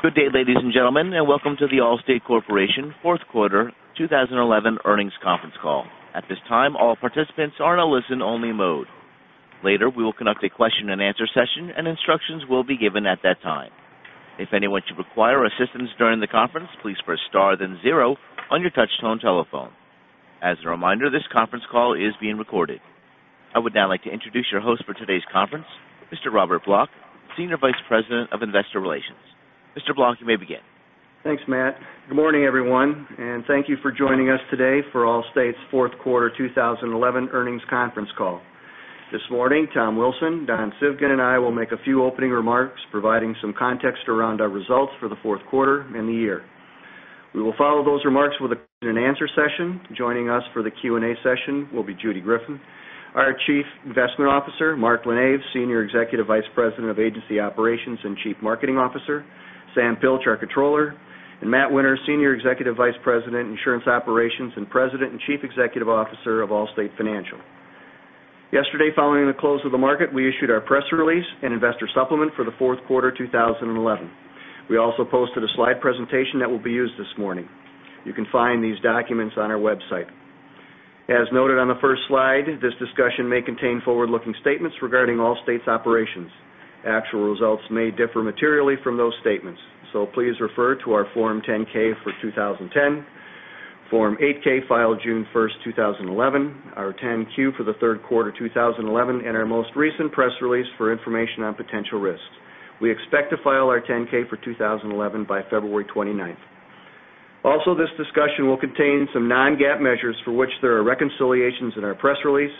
Good day, ladies and gentlemen, and welcome to The Allstate Corporation fourth quarter 2011 earnings conference call. At this time, all participants are in a listen-only mode. Later, we will conduct a question-and-answer session, and instructions will be given at that time. If anyone should require assistance during the conference, please press star then zero on your touchtone telephone. As a reminder, this conference call is being recorded. I would now like to introduce your host for today's conference, Mr. Robert Block, Senior Vice President of Investor Relations. Mr. Block, you may begin. Thanks, Matt. Good morning, everyone, and thank you for joining us today for Allstate's fourth quarter 2011 earnings conference call. This morning, Tom Wilson, Don Civgin, and I will make a few opening remarks providing some context around our results for the fourth quarter and the year. We will follow those remarks with a question-and-answer session. Joining us for the Q&A session will be Judy Greffin, our Chief Investment Officer, Mark LaNeve, Senior Executive Vice President of Agency Operations and Chief Marketing Officer, Sam Pilch, our Comptroller, and Matt Winter, Senior Executive Vice President, Insurance Operations and President and Chief Executive Officer of Allstate Financial. Yesterday, following the close of the market, we issued our press release and investor supplement for the fourth quarter 2011. We also posted a slide presentation that will be used this morning. You can find these documents on our website. As noted on the first slide, this discussion may contain forward-looking statements regarding Allstate's operations. Actual results may differ materially from those statements. Please refer to our Form 10-K for 2010, Form 8-K filed June 1st, 2011, our 10-Q for the third quarter 2011, and our most recent press release for information on potential risks. We expect to file our 10-K for 2011 by February 29th. Also, this discussion will contain some non-GAAP measures for which there are reconciliations in our press release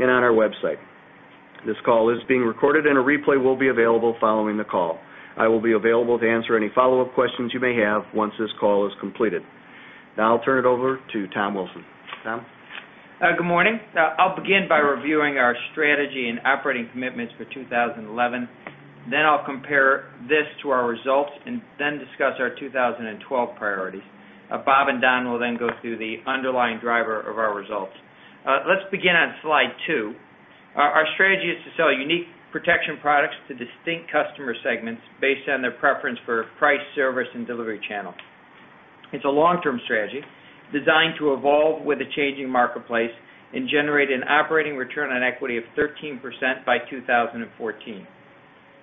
and on our website. This call is being recorded, and a replay will be available following the call. I will be available to answer any follow-up questions you may have once this call is completed. Now I'll turn it over to Tom Wilson. Tom? Good morning. I'll begin by reviewing our strategy and operating commitments for 2011. I'll compare this to our results and then discuss our 2012 priorities. Bob and Don will then go through the underlying driver of our results. Let's begin on slide two. Our strategy is to sell unique protection products to distinct customer segments based on their preference for price, service, and delivery channel. It's a long-term strategy designed to evolve with a changing marketplace and generate an operating return on equity of 13% by 2014.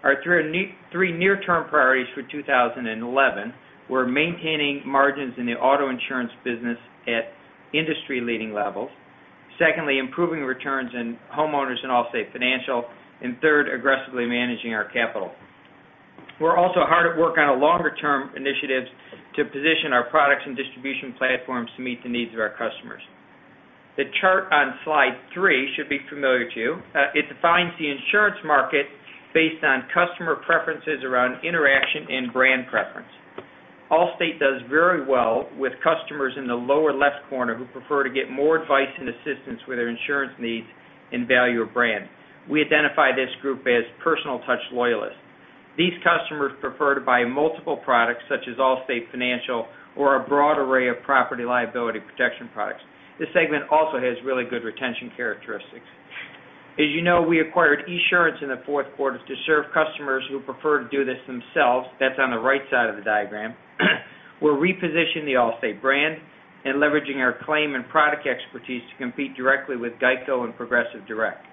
Our three near-term priorities for 2011 were maintaining margins in the auto insurance business at industry-leading levels. Secondly, improving returns in homeowners and Allstate Financial. Third, aggressively managing our capital. We're also hard at work on longer-term initiatives to position our products and distribution platforms to meet the needs of our customers. The chart on slide three should be familiar to you. It defines the insurance market based on customer preferences around interaction and brand preference. Allstate does very well with customers in the lower left corner who prefer to get more advice and assistance with their insurance needs and value our brand. We identify this group as personal touch loyalists. These customers prefer to buy multiple products, such as Allstate Financial or a broad array of property liability protection products. This segment also has really good retention characteristics. As you know, we acquired Esurance in the fourth quarter to serve customers who prefer to do this themselves. That's on the right side of the diagram. We're repositioning the Allstate brand and leveraging our claim and product expertise to compete directly with GEICO and Progressive direct.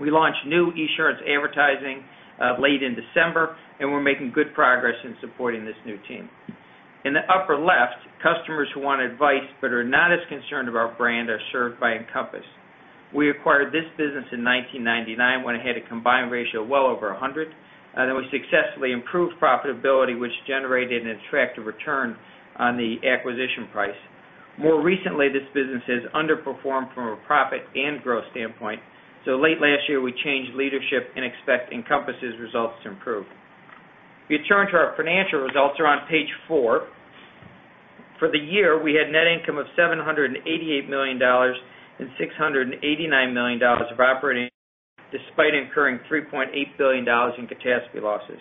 We launched new Esurance advertising late in December. We're making good progress in supporting this new team. In the upper left, customers who want advice but are not as concerned about brand are served by Encompass. We acquired this business in 1999 when it had a combined ratio well over 100, and then we successfully improved profitability, which generated an attractive return on the acquisition price. More recently, this business has underperformed from a profit and growth standpoint. Late last year, we changed leadership and expect Encompass's results to improve. If you turn to our financial results are on page four. For the year, we had net income of $788 million and $689 million of operating income, despite incurring $3.8 billion in catastrophe losses.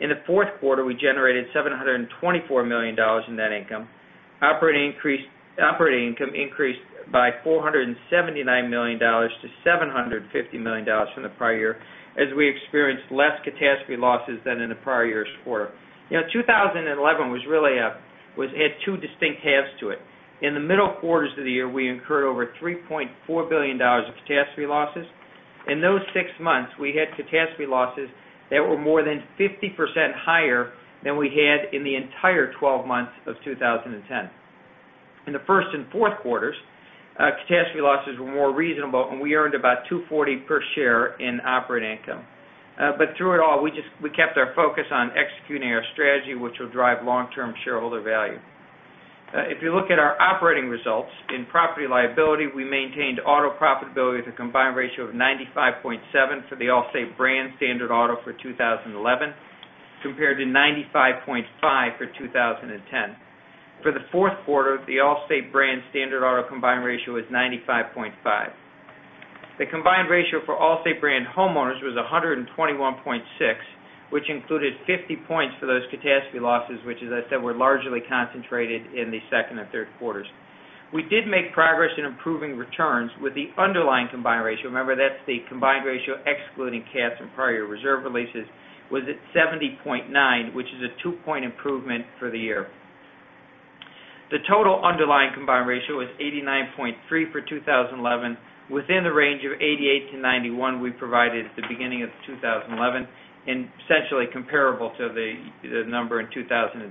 In the fourth quarter, we generated $724 million in net income. Operating income increased by $479 million to $750 million from the prior year as we experienced less catastrophe losses than in the prior year's quarter. 2011 really had two distinct halves to it. In the middle quarters of the year, we incurred over $3.4 billion of catastrophe losses. In those six months, we had catastrophe losses that were more than 50% higher than we had in the entire 12 months of 2010. In the first and fourth quarters, catastrophe losses were more reasonable. We earned about $240 per share in operating income. Through it all, we kept our focus on executing our strategy, which will drive long-term shareholder value. If you look at our operating results, in property liability, we maintained auto profitability with a combined ratio of 95.7 for the Allstate brand standard auto for 2011, compared to 95.5 for 2010. For the fourth quarter, the Allstate brand standard auto combined ratio was 95.5. The combined ratio for Allstate brand homeowners was 121.6, which included 50 points for those catastrophe losses, which, as I said, were largely concentrated in the second and third quarters. We did make progress in improving returns with the underlying combined ratio, remember, that's the combined ratio excluding cats and prior reserve releases, was at 70.9, which is a two-point improvement for the year. The total underlying combined ratio is 89.3 for 2011, within the range of 88%-91% we provided at the beginning of 2011, and essentially comparable to the number in 2010.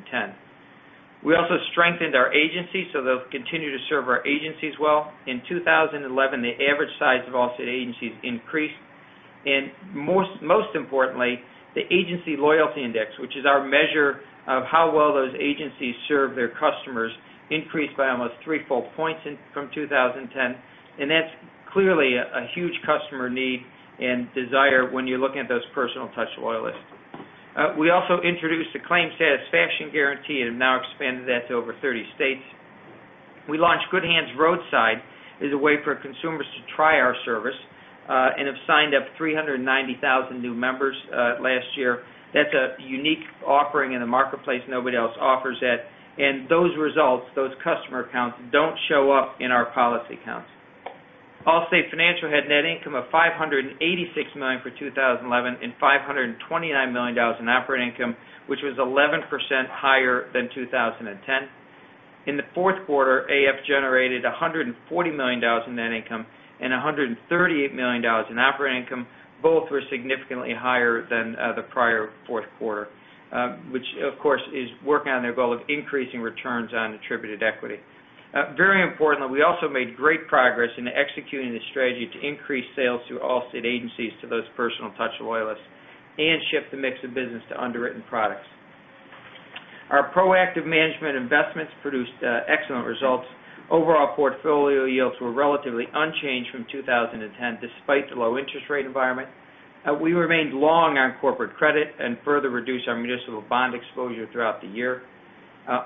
We also strengthened our agency. They'll continue to serve our agencies well. In 2011, the average size of Allstate agencies increased. Most importantly, the Agency Loyalty Index, which is our measure of how well those agencies serve their customers, increased by almost three full points from 2010. That is clearly a huge customer need and desire when you are looking at those personal touch loyalists. We also introduced a Claim Satisfaction Guarantee and have now expanded that to over 30 states. We launched Good Hands Roadside as a way for consumers to try our service and have signed up 390,000 new members last year. That is a unique offering in the marketplace. Nobody else offers that. Those results, those customer counts, do not show up in our policy counts. Allstate Financial had net income of $586 million for 2011. $529 million in operating income, which was 11% higher than 2010. In the fourth quarter, AF generated $140 million in net income. $138 million in operating income. Both were significantly higher than the prior fourth quarter, which, of course, is working on their goal of increasing returns on attributed equity. Very importantly, we also made great progress in executing the strategy to increase sales through Allstate agencies to those personal touch loyalists and shift the mix of business to underwritten products. Our proactive management investments produced excellent results. Overall portfolio yields were relatively unchanged from 2010, despite the low interest rate environment. We remained long on corporate credit and further reduced our municipal bond exposure throughout the year.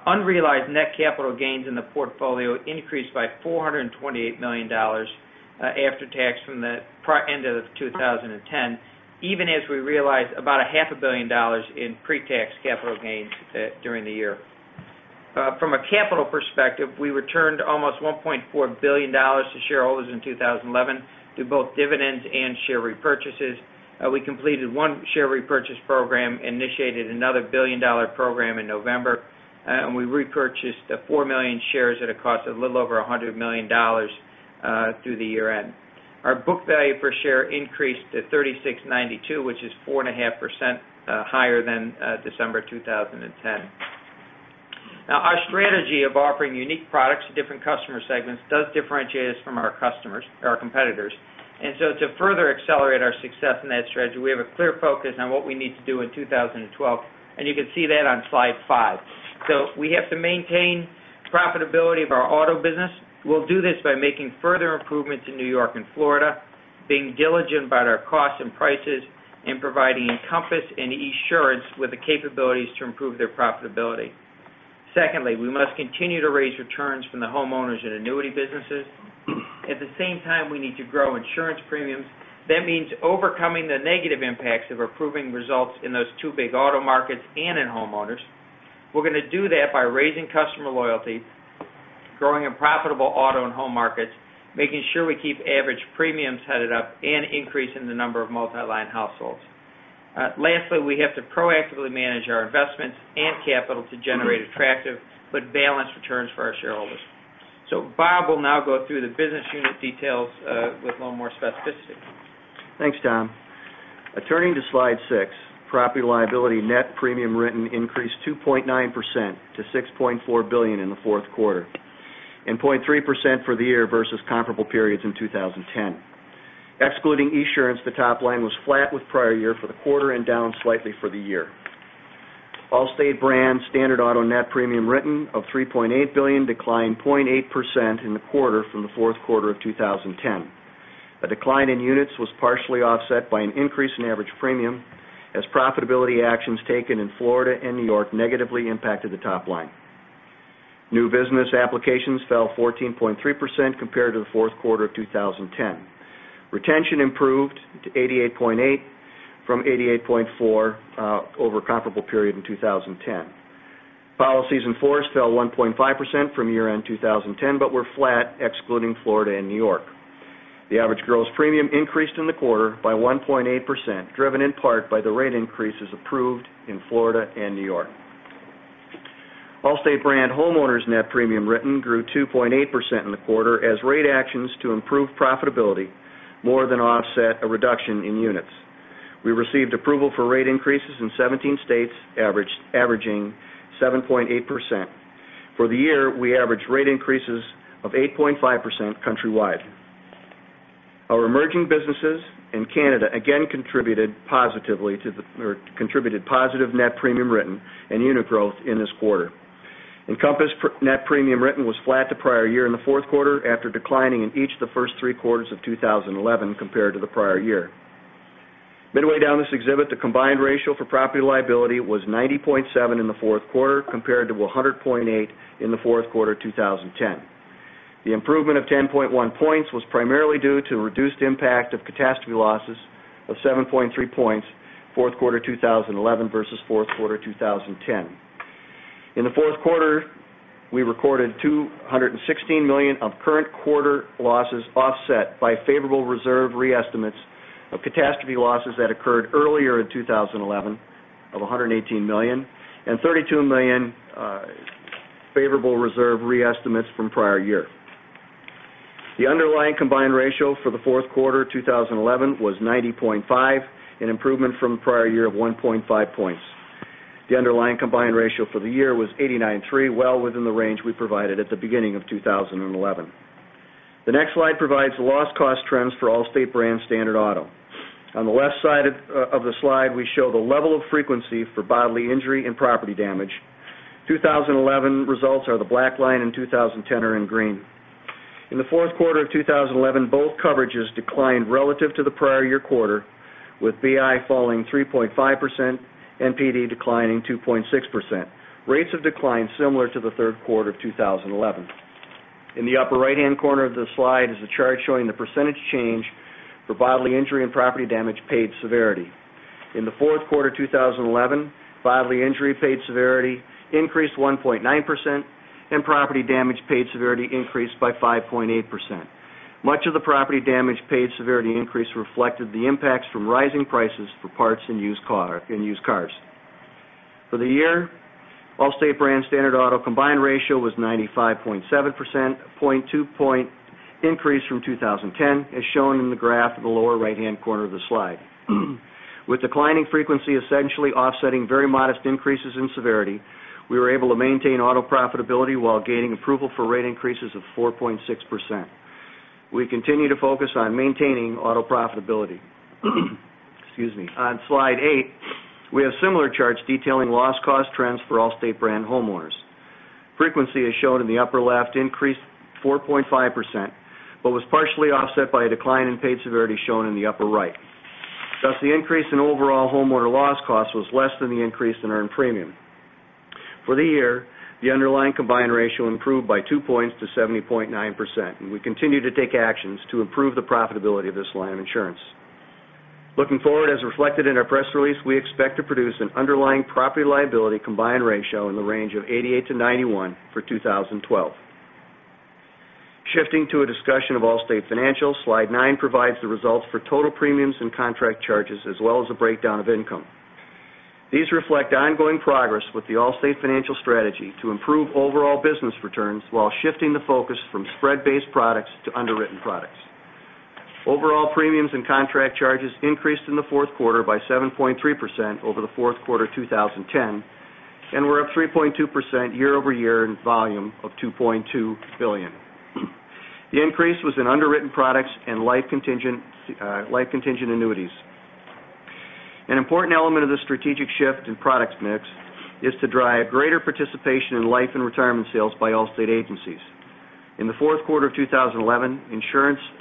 Unrealized net capital gains in the portfolio increased by $428 million, after tax from the end of 2010, even as we realized about a half a billion dollars in pre-tax capital gains during the year. From a capital perspective, we returned almost $1.4 billion to shareholders in 2011 through both dividends and share repurchases. We completed one share repurchase program, initiated another billion-dollar program in November. We repurchased four million shares at a cost of a little over $100 million through the year-end. Our book value per share increased to $36.92, which is 4.5% higher than December 2010. Our strategy of offering unique products to different customer segments does differentiate us from our competitors. To further accelerate our success in that strategy, we have a clear focus on what we need to do in 2012. You can see that on slide five. We have to maintain profitability of our auto business. We will do this by making further improvements in N.Y. and Florida, being diligent about our costs and prices, and providing Encompass and Esurance with the capabilities to improve their profitability. Secondly, we must continue to raise returns from the homeowners and annuity businesses. At the same time, we need to grow insurance premiums. That means overcoming the negative impacts of improving results in those two big auto markets and in homeowners. We are going to do that by raising customer loyalty, growing in profitable auto and home markets, making sure we keep average premiums headed up, and increasing the number of multi-line households. Lastly, we have to proactively manage our investments and capital to generate attractive but balanced returns for our shareholders. Bob will now go through the business unit details with a little more specificity. Thanks, Tom. Turning to slide six, property & liability net premium written increased 2.9% to $6.4 billion in the fourth quarter, and 0.3% for the year versus comparable periods in 2010. Excluding Esurance, the top line was flat with prior year for the quarter and down slightly for the year. Allstate brand Standard Auto net premium written of $3.8 billion, declined 0.8% in the quarter from the fourth quarter of 2010. A decline in units was partially offset by an increase in average premium as profitability actions taken in Florida and N.Y. negatively impacted the top line. New business applications fell 14.3% compared to the fourth quarter of 2010. Retention improved to 88.8 from 88.4 over a comparable period in 2010. Policies in force fell 1.5% from year-end 2010, but were flat excluding Florida and N.Y. The average gross premium increased in the quarter by 1.8%, driven in part by the rate increases approved in Florida and N.Y. Allstate brand homeowners net premium written grew 2.8% in the quarter as rate actions to improve profitability more than offset a reduction in units. We received approval for rate increases in 17 states, averaging 7.8%. For the year, we averaged rate increases of 8.5% countrywide. Our emerging businesses in Canada again contributed positive net premium written and unit growth in this quarter. Encompass net premium written was flat to prior year in the fourth quarter after declining in each of the first three quarters of 2011 compared to the prior year. Midway down this exhibit, the combined ratio for property & liability was 90.7 in the fourth quarter, compared to 100.8 in the fourth quarter 2010. The improvement of 10.1 points was primarily due to reduced impact of catastrophe losses of 7.3 points Fourth quarter 2011 versus fourth quarter 2010. In the fourth quarter, we recorded $216 million of current quarter losses offset by favorable reserve re-estimates of catastrophe losses that occurred earlier in 2011 of $118 million and $32 million favorable reserve re-estimates from prior year. The underlying combined ratio for the fourth quarter 2011 was 90.5, an improvement from prior year of 1.5 points. The underlying combined ratio for the year was 89.3, well within the range we provided at the beginning of 2011. The next slide provides loss cost trends for Allstate brand Standard Auto. On the left side of the slide, we show the level of frequency for bodily injury and property damage. 2011 results are the black line, and 2010 are in green. In the fourth quarter of 2011, both coverages declined relative to the prior year quarter, with BI falling 3.5% and PD declining 2.6%. Rates have declined similar to the third quarter of 2011. In the upper right-hand corner of the slide is a chart showing the percentage change for bodily injury and property damage paid severity. In the fourth quarter 2011, bodily injury paid severity increased 1.9%, and property damage paid severity increased by 5.8%. Much of the property damage paid severity increase reflected the impacts from rising prices for parts in used cars. For the year, Allstate brand Standard Auto combined ratio was 95.7%, a 0.2 point increase from 2010, as shown in the graph in the lower right-hand corner of the slide. With declining frequency essentially offsetting very modest increases in severity, we were able to maintain auto profitability while gaining approval for rate increases of 4.6%. We continue to focus on maintaining auto profitability. Excuse me. On slide eight, we have similar charts detailing loss cost trends for Allstate brand homeowners. Frequency, as shown in the upper left, increased 4.5%, but was partially offset by a decline in paid severity, shown in the upper right. Thus, the increase in overall homeowner loss cost was less than the increase in earned premium. For the year, the underlying combined ratio improved by two points to 70.9%, and we continue to take actions to improve the profitability of this line of insurance. Looking forward, as reflected in our press release, we expect to produce an underlying property liability combined ratio in the range of 88%-91% for 2012. Shifting to a discussion of Allstate Financial, slide nine provides the results for total premiums and contract charges, as well as a breakdown of income. These reflect ongoing progress with the Allstate Financial strategy to improve overall business returns while shifting the focus from spread-based products to underwritten products. Overall premiums and contract charges increased in the fourth quarter by 7.3% over the fourth quarter 2010, and were up 3.2% year-over-year in volume of $2.2 billion. The increase was in underwritten products and life contingent annuities. An important element of the strategic shift in product mix is to drive greater participation in life and retirement sales by Allstate agencies. In the fourth quarter of 2011,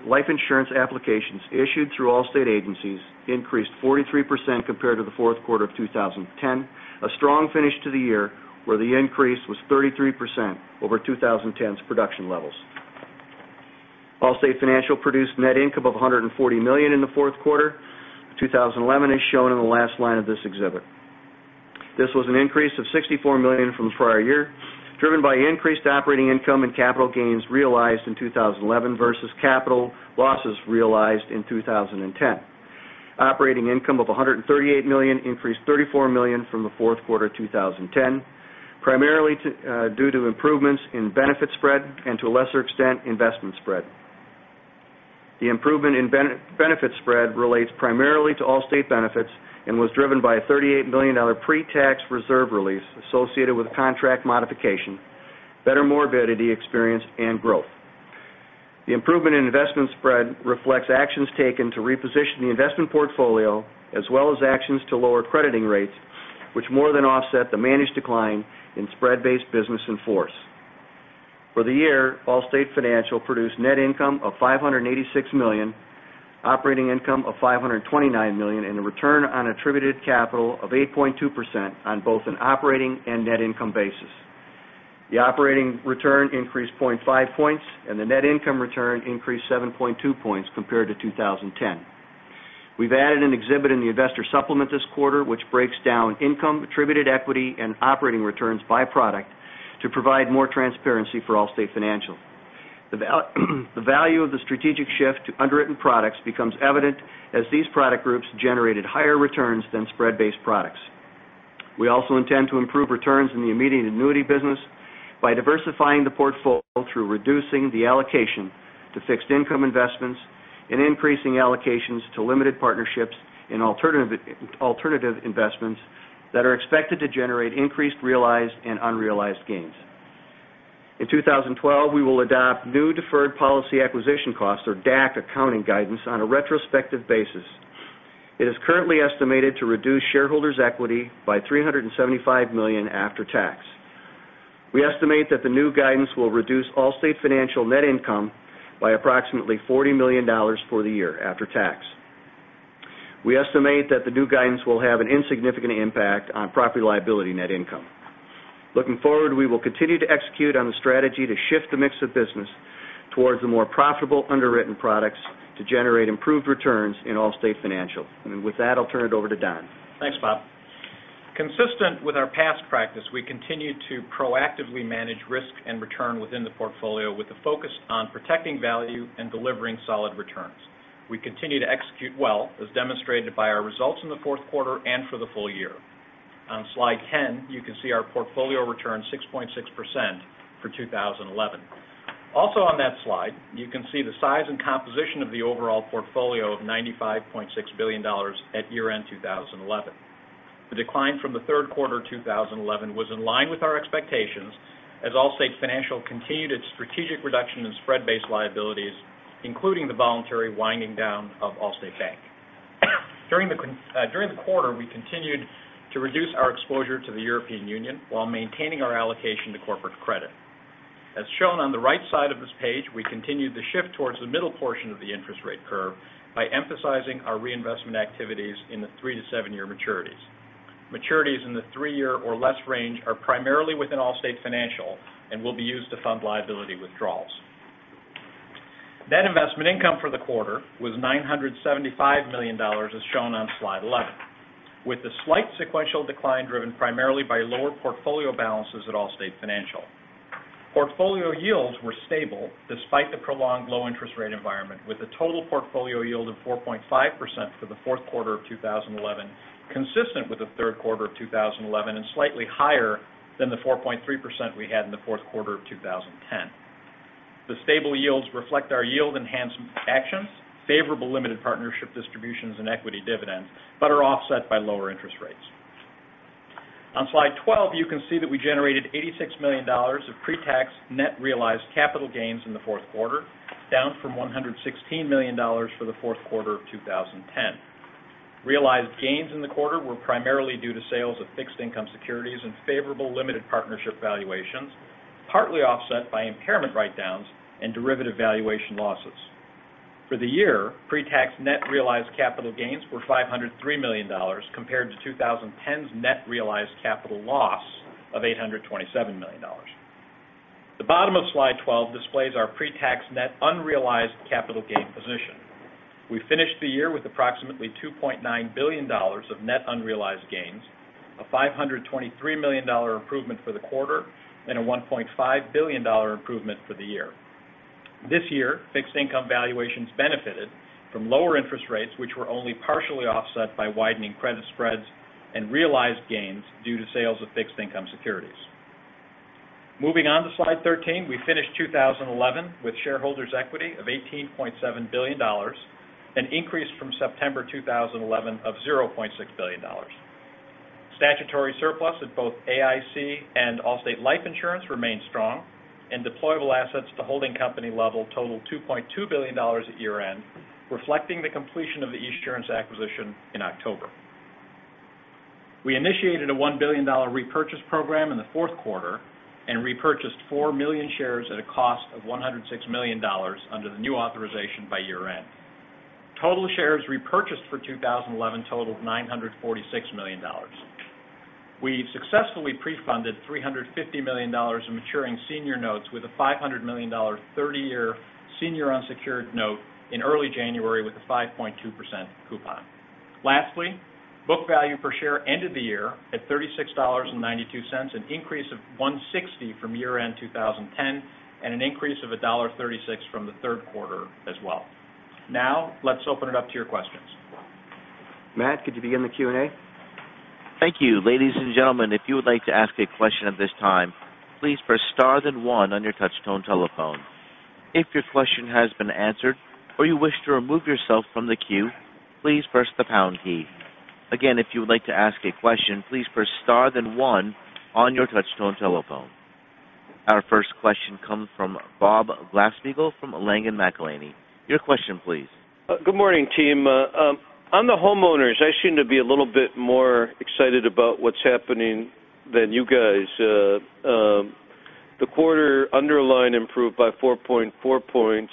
life insurance applications issued through Allstate agencies increased 43% compared to the fourth quarter of 2010, a strong finish to the year where the increase was 33% over 2010's production levels. Allstate Financial produced net income of $140 million in the fourth quarter of 2011, as shown in the last line of this exhibit. This was an increase of $64 million from the prior year, driven by increased operating income and capital gains realized in 2011 versus capital losses realized in 2010. Operating income of $138 million increased $34 million from the fourth quarter of 2010, primarily due to improvements in benefit spread and, to a lesser extent, investment spread. The improvement in benefit spread relates primarily to Allstate Benefits and was driven by a $38 million pre-tax reserve release associated with contract modification, better morbidity experience, and growth. The improvement in investment spread reflects actions taken to reposition the investment portfolio as well as actions to lower crediting rates, which more than offset the managed decline in spread-based business in force. For the year, Allstate Financial produced net income of $586 million, operating income of $529 million, and a return on attributed capital of 8.2% on both an operating and net income basis. The operating return increased 0.5 points, and the net income return increased 7.2 points compared to 2010. We've added an exhibit in the investor supplement this quarter, which breaks down income, attributed equity, and operating returns by product to provide more transparency for Allstate Financial. The value of the strategic shift to underwritten products becomes evident as these product groups generated higher returns than spread-based products. We also intend to improve returns in the immediate annuity business by diversifying the portfolio through reducing the allocation to fixed income investments and increasing allocations to limited partnerships in alternative investments that are expected to generate increased realized and unrealized gains. In 2012, we will adopt new deferred policy acquisition costs, or DAC accounting guidance, on a retrospective basis. It is currently estimated to reduce shareholders' equity by $375 million after tax. We estimate that the new guidance will reduce Allstate Financial net income by approximately $40 million for the year after tax. We estimate that the new guidance will have an insignificant impact on property liability net income. Looking forward, we will continue to execute on the strategy to shift the mix of business towards the more profitable underwritten products to generate improved returns in Allstate Financial. With that, I'll turn it over to Don. Thanks, Bob. Consistent with our past practice, we continue to proactively manage risk and return within the portfolio with the focus on protecting value and delivering solid returns. We continue to execute well, as demonstrated by our results in the fourth quarter and for the full year. On slide 10, you can see our portfolio returned 6.6% for 2011. Also on that slide, you can see the size and composition of the overall portfolio of $95.6 billion at year-end 2011. The decline from the third quarter 2011 was in line with our expectations, as Allstate Financial continued its strategic reduction in spread-based liabilities, including the voluntary winding down of Allstate Bank. During the quarter, we continued to reduce our exposure to the European Union while maintaining our allocation to corporate credit. As shown on the right side of this page, we continued the shift towards the middle portion of the interest rate curve by emphasizing our reinvest activities in the three- to seven-year maturities. Maturities in the three-year or less range are primarily within Allstate Financial and will be used to fund liability withdrawals. Net investment income for the quarter was $975 million, as shown on slide 11, with a slight sequential decline driven primarily by lower portfolio balances at Allstate Financial. Portfolio yields were stable despite the prolonged low interest rate environment, with a total portfolio yield of 4.5% for the fourth quarter of 2011, consistent with the third quarter of 2011, and slightly higher than the 4.3% we had in the fourth quarter of 2010. The stable yields reflect our yield enhancement actions, favorable limited partnership distributions and equity dividends, but are offset by lower interest rates. On slide 12, you can see that we generated $86 million of pre-tax net realized capital gains in the fourth quarter, down from $116 million for the fourth quarter of 2010. Realized gains in the quarter were primarily due to sales of fixed income securities and favorable limited partnership valuations, partly offset by impairment write-downs and derivative valuation losses. For the year, pre-tax net realized capital gains were $503 million compared to 2010's net realized capital loss of $827 million. The bottom of slide 12 displays our pre-tax net unrealized capital gain position. We finished the year with approximately $2.9 billion of net unrealized gains, a $523 million improvement for the quarter, and a $1.5 billion improvement for the year. This year, fixed income valuations benefited from lower interest rates, which were only partially offset by widening credit spreads and realized gains due to sales of fixed income securities. Moving on to slide 13, we finished 2011 with shareholders' equity of $18.7 billion, an increase from September 2011 of $0.6 billion. Statutory surplus at both AIC and Allstate Life Insurance remained strong, and deployable assets at the holding company level totaled $2.2 billion at year-end, reflecting the completion of the Esurance acquisition in October. We initiated a $1 billion repurchase program in the fourth quarter and repurchased 4 million shares at a cost of $106 million under the new authorization by year-end. Total shares repurchased for 2011 totaled $946 million. We've successfully pre-funded $350 million in maturing senior notes with a $500 million 30-year senior unsecured note in early January with a 5.2% coupon. Lastly, book value per share ended the year at $36.92, an increase of $1.60 from year-end 2010, and an increase of $1.36 from the third quarter as well. Let's open it up to your questions. Matt, could you begin the Q&A? Thank you. Ladies and gentlemen, if you would like to ask a question at this time, please press star then one on your touch-tone telephone. If your question has been answered or you wish to remove yourself from the queue, please press the pound key. Again, if you would like to ask a question, please press star then one on your touch-tone telephone. Our first question comes from Robert Glasspiegel fromLangen McAlenney. Your question, please. Good morning, team. On the homeowners, I seem to be a little bit more excited about what's happening than you guys. The quarter underlying improved by 4.4 points.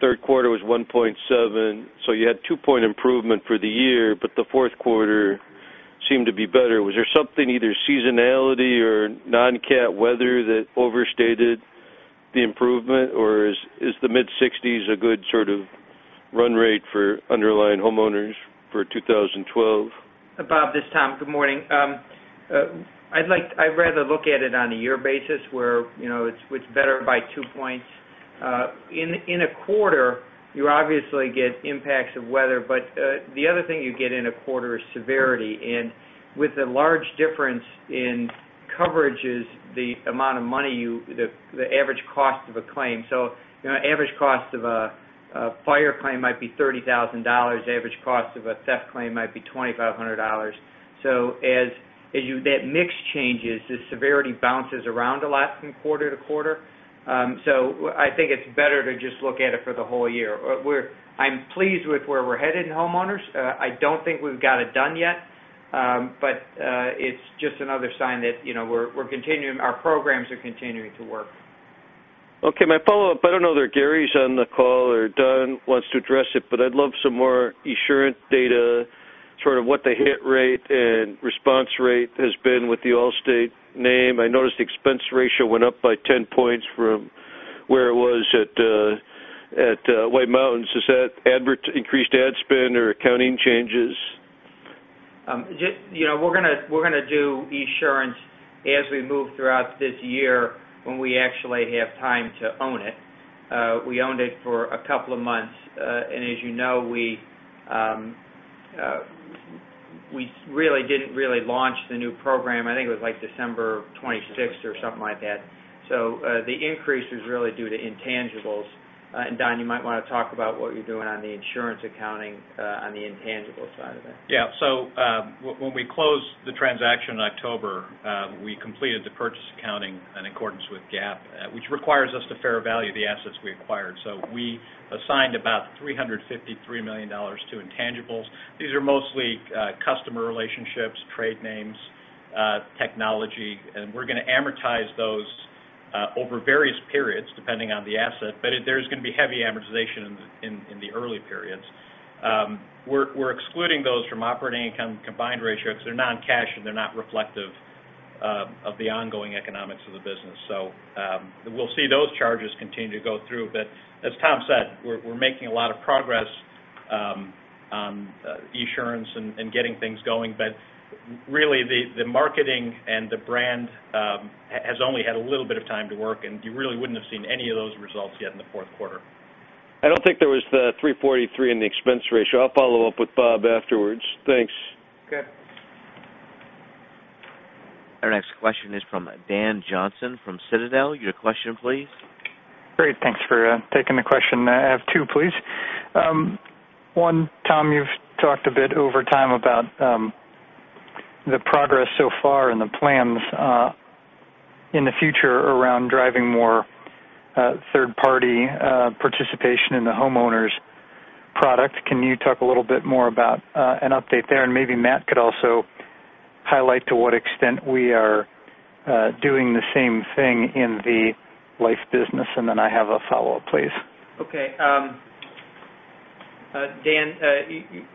Third quarter was 1.7. You had two-point improvement for the year. The fourth quarter seemed to be better. Was there something, either seasonality or non-cat weather that overstated the improvement, or is the mid-60s a good run rate for underlying homeowners for 2012? Bob, this is Tom. Good morning. I'd rather look at it on a year basis, where it's better by two points. In a quarter, you obviously get impacts of weather. The other thing you get in a quarter is severity, and with the large difference in coverages, the average cost of a claim. Average cost of a fire claim might be $30,000, average cost of a theft claim might be $2,500. As that mix changes, the severity bounces around a lot from quarter to quarter. I think it's better to just look at it for the whole year. I'm pleased with where we're headed in homeowners. I don't think we've got it done yet. It's just another sign that our programs are continuing to work. Okay, my follow-up. I don't know whether Gary's on the call or Don wants to address it, I'd love some more Esurance data, sort of what the hit rate and response rate has been with the Allstate name. I noticed the expense ratio went up by 10 points from where it was at White Mountains. Is that increased ad spend or accounting changes? We're going to do Esurance as we move throughout this year when we actually have time to own it. We owned it for a couple of months, and as you know, we really didn't launch the new program, I think it was December 26th or something like that. The increase is really due to intangibles. Don, you might want to talk about what you're doing on the insurance accounting on the intangible side of it. When we closed the transaction in October, we completed the purchase accounting in accordance with GAAP, which requires us to fair value the assets we acquired. We assigned about $353 million to intangibles. These are mostly customer relationships, trade names, technology, and we're going to amortize those over various periods, depending on the asset. There's going to be heavy amortization in the early periods. We're excluding those from operating income combined ratio because they're non-cash and they're not reflective of the ongoing economics of the business. We'll see those charges continue to go through. As Tom said, we're making a lot of progress on Esurance and getting things going. Really, the marketing and the brand has only had a little bit of time to work, and you really wouldn't have seen any of those results yet in the fourth quarter. I don't think there was the 343 in the expense ratio. I'll follow up with Bob afterwards. Thanks. Okay. Our next question is from Dan Johnson from Citadel. Your question, please. Great. Thanks for taking the question. I have two, please. One, Tom, you've talked a bit over time about the progress so far and the plans in the future around driving more third-party participation in the homeowners product. Can you talk a little bit more about an update there? Maybe Matt could also highlight to what extent we are doing the same thing in the life business. Then I have a follow-up, please. Okay. Dan,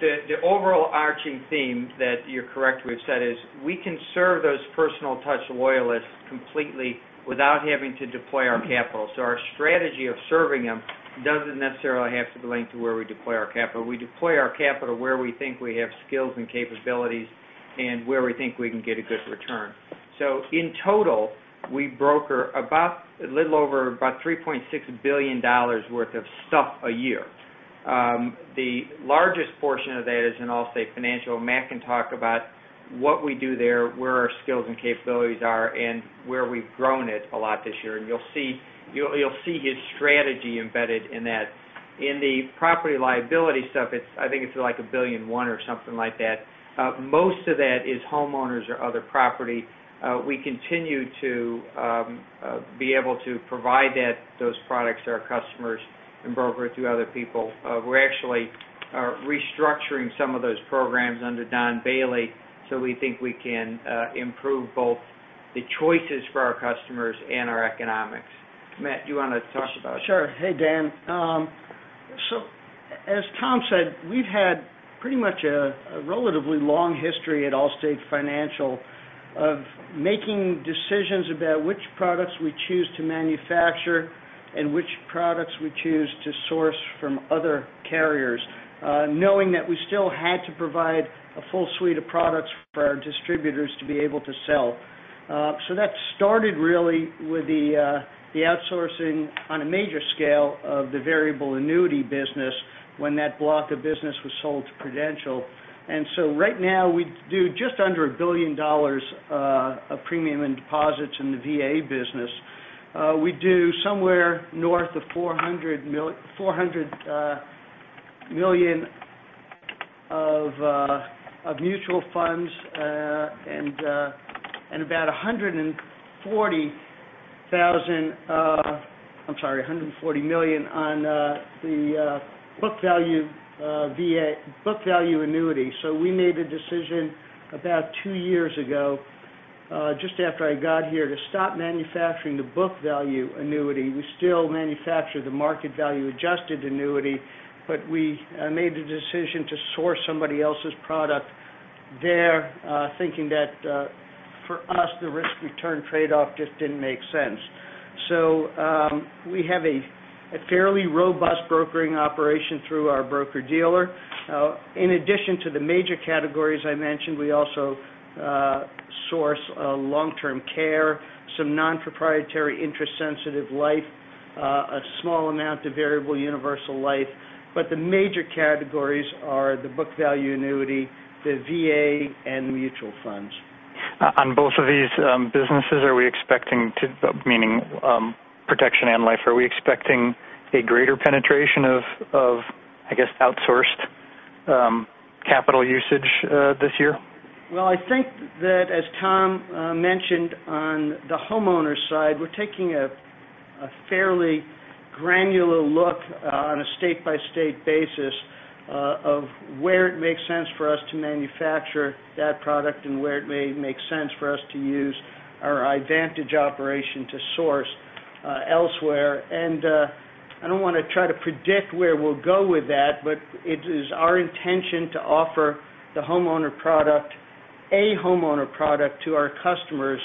the overall arching theme that you're correct, we've said is we can serve those personal touch loyalists completely without having to deploy our capital. Our strategy of serving them doesn't necessarily have to be linked to where we deploy our capital. We deploy our capital where we think we have skills and capabilities and where we think we can get a good return. In total, we broker a little over about $3.6 billion worth of stuff a year. The largest portion of that is in Allstate Financial. Matt can talk about what we do there, where our skills and capabilities are, and where we've grown it a lot this year. You'll see his strategy embedded in that. In the property liability stuff, I think it's like $1.1 billion or something like that. Most of that is homeowners or other property. We continue to be able to provide those products to our customers and broker through other people. We're actually restructuring some of those programs under Don Bailey, we think we can improve both the choices for our customers and our economics. Matt, do you want to talk about it? Sure. Hey, Dan. As Tom said, we've had pretty much a relatively long history at Allstate Financial of making decisions about which products we choose to manufacture and which products we choose to source from other carriers, knowing that we still had to provide a full suite of products for our distributors to be able to sell. That started really with the outsourcing on a major scale of the variable annuity business when that block of business was sold to Prudential. Right now, we do just under $1 billion of premium and deposits in the VA business. We do somewhere north of $400 million of mutual funds and about $140 million on the book value annuity. We made a decision about two years ago, just after I got here, to stop manufacturing the book value annuity. We still manufacture the market value adjusted annuity, we made the decision to source somebody else's product there, thinking that for us, the risk-return trade-off just didn't make sense. We have a fairly robust brokering operation through our broker-dealer. In addition to the major categories I mentioned, we also source long-term care, some non-proprietary interest sensitive life, a small amount of variable universal life. The major categories are the book value annuity, the VA, and mutual funds. On both of these businesses are we expecting to, meaning protection and life, are we expecting a greater penetration of outsourced capital usage this year? Well, I think that as Tom mentioned on the homeowners side, we're taking a fairly granular look on a state-by-state basis of where it makes sense for us to manufacture that product and where it may make sense for us to use our advantage operation to source elsewhere. I don't want to try to predict where we'll go with that, but it is our intention to offer a homeowner product to our customers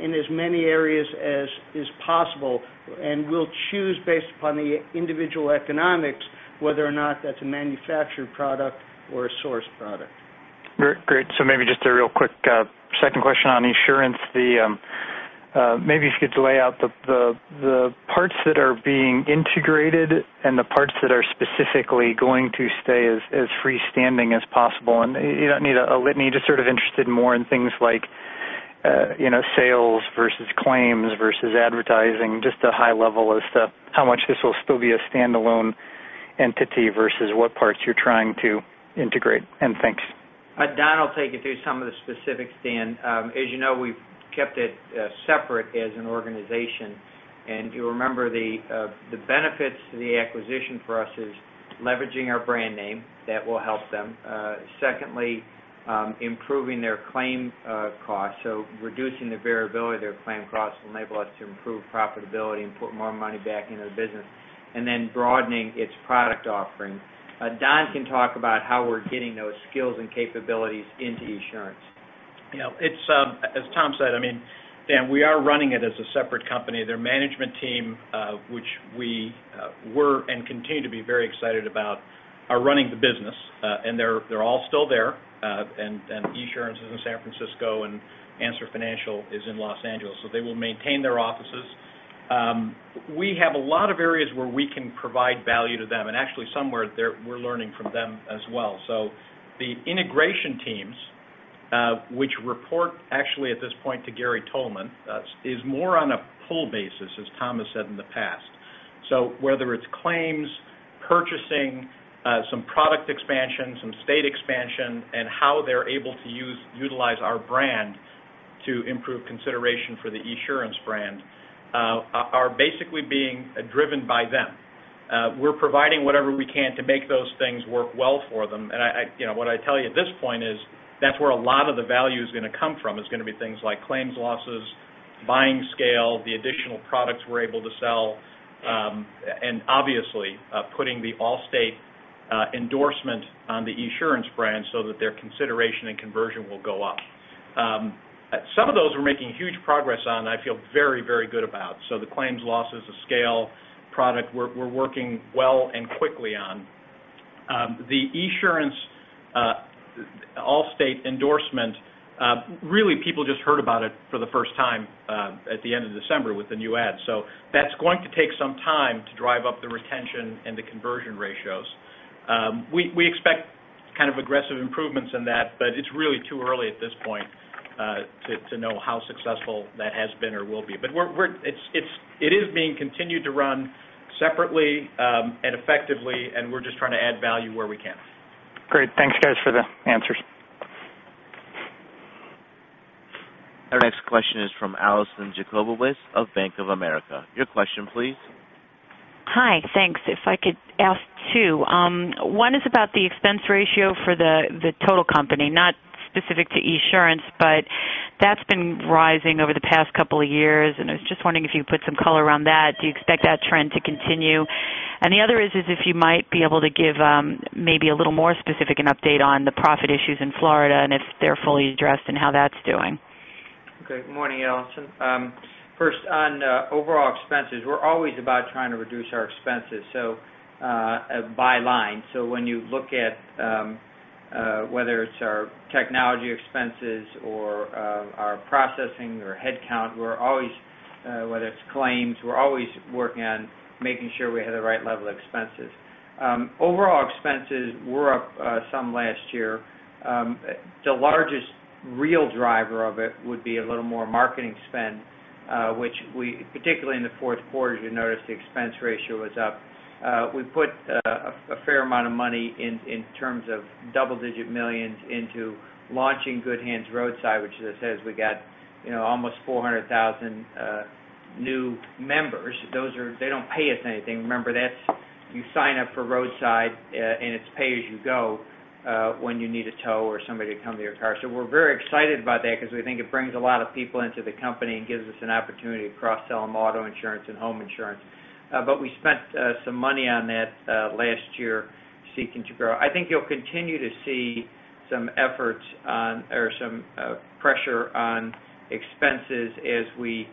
in as many areas as is possible. We'll choose based upon the individual economics, whether or not that's a manufactured product or a sourced product. Great. Maybe just a real quick second question on Esurance. Maybe if you could lay out the parts that are being integrated and the parts that are specifically going to stay as freestanding as possible. You don't need a litany, just sort of interested more in things like sales versus claims versus advertising, just a high level as to how much this will still be a standalone entity versus what parts you're trying to integrate. Thanks. Don will take you through some of the specifics, Dan. As you know, we've kept it separate as an organization. You'll remember the benefits to the acquisition for us is leveraging our brand name. That will help them. Secondly, improving their claim costs, reducing the variability of their claim costs will enable us to improve profitability and put more money back into the business, broadening its product offering. Don can talk about how we're getting those skills and capabilities into Esurance. As Tom said, Dan, we are running it as a separate company. Their management team which we were, and continue to be very excited about, are running the business. They're all still there. Esurance is in San Francisco and Answer Financial is in Los Angeles, they will maintain their offices. We have a lot of areas where we can provide value to them, and actually somewhere we're learning from them as well. The integration teams which report actually at this point to Gary Tolman is more on a pull basis, as Tom has said in the past. Whether it's claims, purchasing, some product expansion, some state expansion, and how they're able to utilize our brand to improve consideration for the Esurance brand, are basically being driven by them. We're providing whatever we can to make those things work well for them. What I tell you at this point is that's where a lot of the value is going to come from. It's going to be things like claims losses, buying scale, the additional products we're able to sell, and obviously, putting the Allstate endorsement on the Esurance brand so that their consideration and conversion will go up. Some of those we're making huge progress on, I feel very good about. The claims losses of scale product, we're working well and quickly on. The Esurance Allstate endorsement, really people just heard about it for the first time at the end of December with the new ad. That's going to take some time to drive up the retention and the conversion ratios. We expect aggressive improvements in that, but it's really too early at this point to know how successful that has been or will be. It is being continued to run separately and effectively, and we're just trying to add value where we can. Great. Thanks, guys, for the answers. Our next question is from Alison Jacobowitz of Bank of America. Your question, please. Hi. Thanks. If I could ask two. One is about the expense ratio for the total company, not specific to Esurance, but that's been rising over the past couple of years, and I was just wondering if you could put some color around that. Do you expect that trend to continue? The other is if you might be able to give maybe a little more specific an update on the profit issues in Florida, and if they're fully addressed and how that's doing. Okay. Good morning, Alison. First, on overall expenses, we're always about trying to reduce our expenses by line. When you look at whether it's our technology expenses or our processing or headcount, whether it's claims, we're always working on making sure we have the right level of expenses. Overall expenses were up some last year. The largest real driver of it would be a little more marketing spend, which particularly in the fourth quarter as you noticed the expense ratio was up. We put a fair amount of money in terms of double digit millions into launching Good Hands Roadside, which as I said, we got almost 400,000 new members. They don't pay us anything. Remember, you sign up for Roadside and it's pay as you go when you need a tow or somebody to come to your car. We're very excited about that because we think it brings a lot of people into the company and gives us an opportunity to cross-sell them auto insurance and home insurance. We spent some money on that last year seeking to grow. I think you'll continue to see some pressure on expenses as we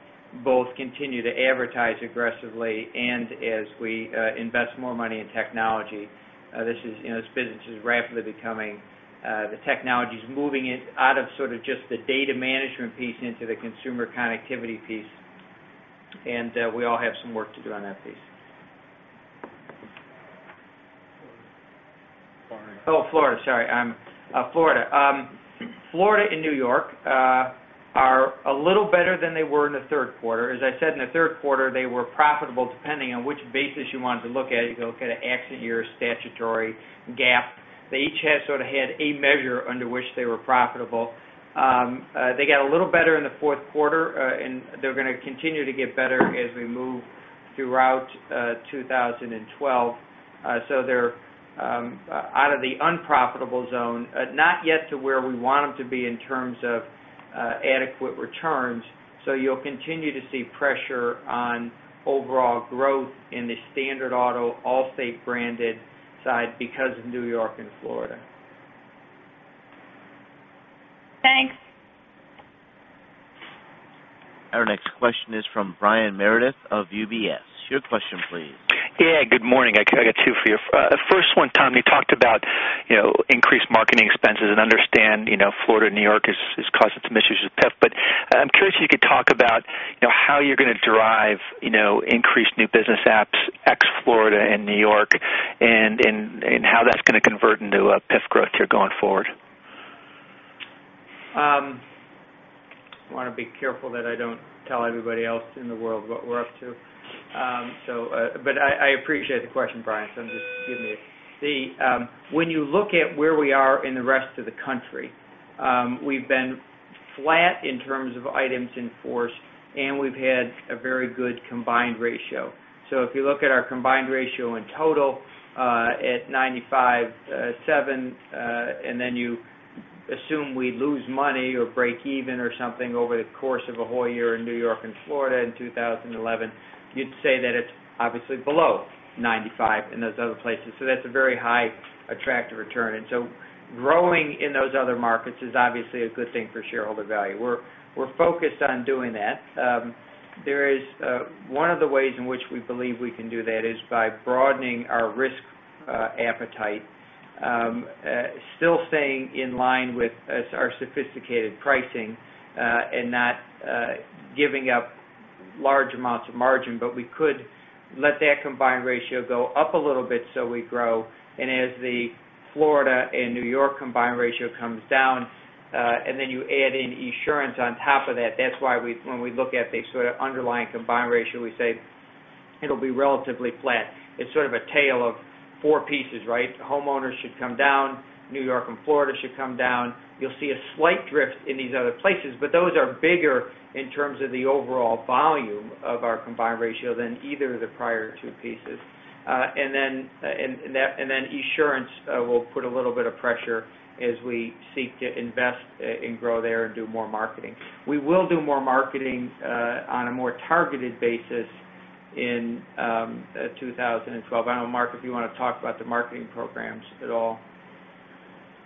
both continue to advertise aggressively and as we invest more money in technology. This business is rapidly becoming the technology's moving it out of sort of just the data management piece into the consumer connectivity piece. We all have some work to do on that piece. Florida. Oh, Florida. Sorry. Florida and New York are a little better than they were in the third quarter. As I said, in the third quarter, they were profitable, depending on which basis you wanted to look at it. You could look at an accident year statutory GAAP. They each sort of had a measure under which they were profitable. They got a little better in the fourth quarter, and they're going to continue to get better as we move throughout 2012. They're out of the unprofitable zone. Not yet to where we want them to be in terms of adequate returns. You'll continue to see pressure on overall growth in the standard auto, Allstate-branded side because of New York and Florida. Thanks. Our next question is from Brian Meredith of UBS. Your question please. Yeah, good morning. I got two for you. First one, Tom, you talked about increased marketing expenses and understand Florida and New York is causing some issues with PIP. I'm curious if you could talk about how you're going to drive increased new business apps ex Florida and New York, and how that's going to convert into PIP growth here going forward. I want to be careful that I don't tell everybody else in the world what we're up to. I appreciate the question, Brian, so just give me a sec. When you look at where we are in the rest of the country, we've been flat in terms of items in force, and we've had a very good combined ratio. If you look at our combined ratio in total at 95.7, and then you assume we lose money or break even or something over the course of a whole year in New York and Florida in 2011, you'd say that it's obviously below 95 in those other places. That's a very high attractive return. Growing in those other markets is obviously a good thing for shareholder value. We're focused on doing that. One of the ways in which we believe we can do that is by broadening our risk appetite, still staying in line with our sophisticated pricing and not giving up large amounts of margin. We could let that combined ratio go up a little bit so we grow, and as the Florida and New York combined ratio comes down, and then you add in Esurance on top of that's why when we look at the sort of underlying combined ratio, we say it'll be relatively flat. It's sort of a tale of four pieces, right? Homeowners should come down. New York and Florida should come down. You'll see a slight drift in these other places, but those are bigger in terms of the overall volume of our combined ratio than either of the prior two pieces. Esurance will put a little bit of pressure as we seek to invest and grow there and do more marketing. We will do more marketing on a more targeted basis in 2012. I don't know, Mark, if you want to talk about the marketing programs at all.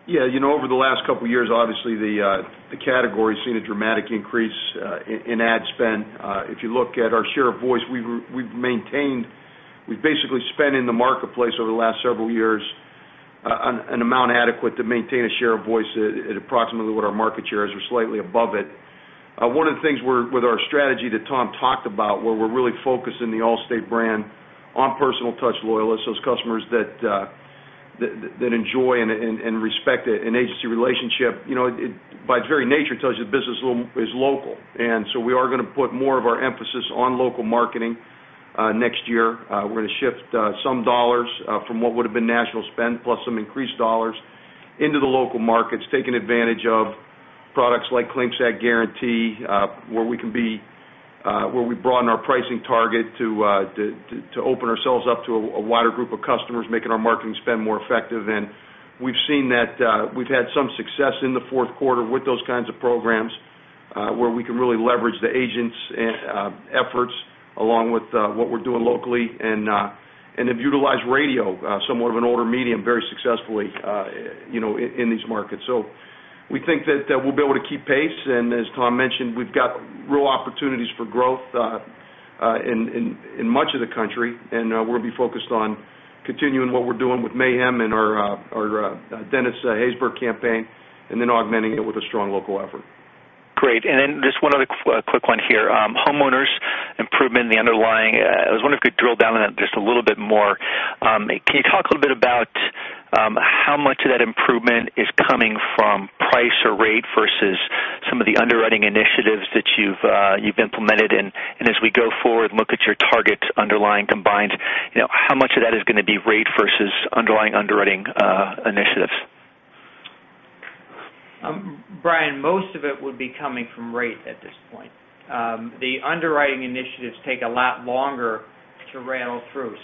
Yeah. Over the last couple of years, obviously, the category's seen a dramatic increase in ad spend. If you look at our share of voice, we've basically spent in the marketplace over the last several years an amount adequate to maintain a share of voice at approximately what our market share is or slightly above it. One of the things with our strategy that Tom talked about, where we're really focused in the Allstate brand on personal touch loyalists, those customers that enjoy and respect an agency relationship. By its very nature tells you the business is local. We are going to put more of our emphasis on local marketing next year. We're going to shift some dollars from what would've been national spend, plus some increased dollars into the local markets, taking advantage of products like Claim Satisfaction Guarantee, where we broaden our pricing target to open ourselves up to a wider group of customers, making our marketing spend more effective. We've seen that we've had some success in the fourth quarter with those kinds of programs, where we can really leverage the agents' efforts along with what we're doing locally, and have utilized radio, somewhat of an older medium, very successfully in these markets. We think that we'll be able to keep pace, and as Tom mentioned, we've got real opportunities for growth in much of the country, and we'll be focused on continuing what we're doing with Mayhem and our Dennis Haysbert campaign, and then augmenting it with a strong local effort. Great. Just one other quick one here. Homeowners improvement in the underlying, I was wondering if you could drill down on that just a little bit more. Can you talk a little bit about how much of that improvement is coming from price or rate versus some of the underwriting initiatives that you've implemented? As we go forward and look at your targets underlying combined, how much of that is going to be rate versus underlying underwriting initiatives? Brian, most of it would be coming from rate at this point. The underwriting initiatives take a lot longer to rattle through.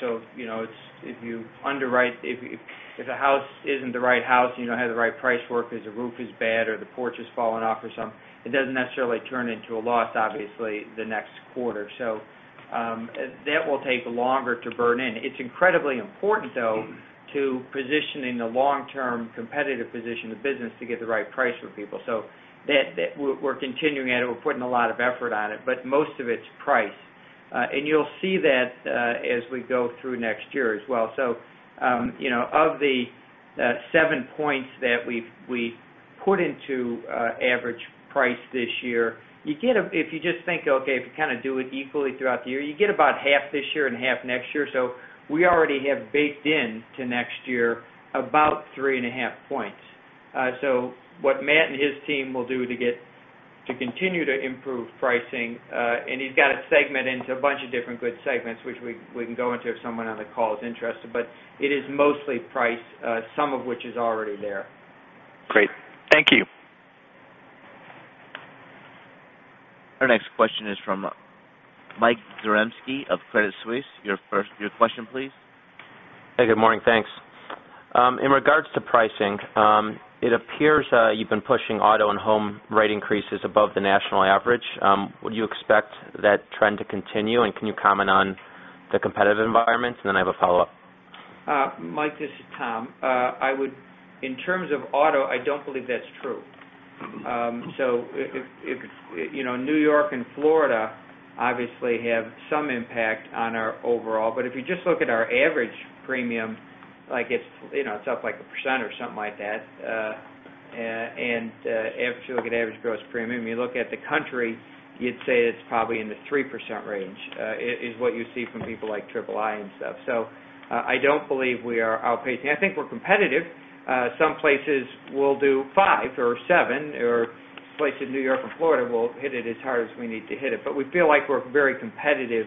If a house isn't the right house, it doesn't have the right price for it because the roof is bad or the porch has fallen off or something, it doesn't necessarily turn into a loss, obviously, the next quarter. That will take longer to burn in. It's incredibly important, though, to position in the long-term competitive position of the business to get the right price for people. We're continuing at it. We're putting a lot of effort on it, but most of it's price. You'll see that as we go through next year as well. Of the seven points that we put into average price this year, if you just think, okay, if you kind of do it equally throughout the year, you get about half this year and half next year. We already have baked into next year about three and a half points. What Matt and his team will do to continue to improve pricing. He's got it segmented into a bunch of different good segments, which we can go into if someone on the call is interested, but it is mostly price, some of which is already there. Great. Thank you. Our next question is from Michael Zaremski of Credit Suisse. Your question, please. Hey, good morning. Thanks. In regards to pricing, it appears you've been pushing auto and home rate increases above the national average. Would you expect that trend to continue, and can you comment on the competitive environment? Then I have a follow-up. Mike, this is Tom. In terms of auto, I don't believe that's true. N.Y. and Florida obviously have some impact on our overall, but if you just look at our average premium, it's up like 1% or something like that. If you look at average gross premium, you look at the country, you'd say it's probably in the 3% range, is what you see from people like Triple I and stuff. I don't believe we are outpacing. I think we're competitive. Some places we'll do five or seven, or places in N.Y. or Florida will hit it as hard as we need to hit it. We feel like we're very competitive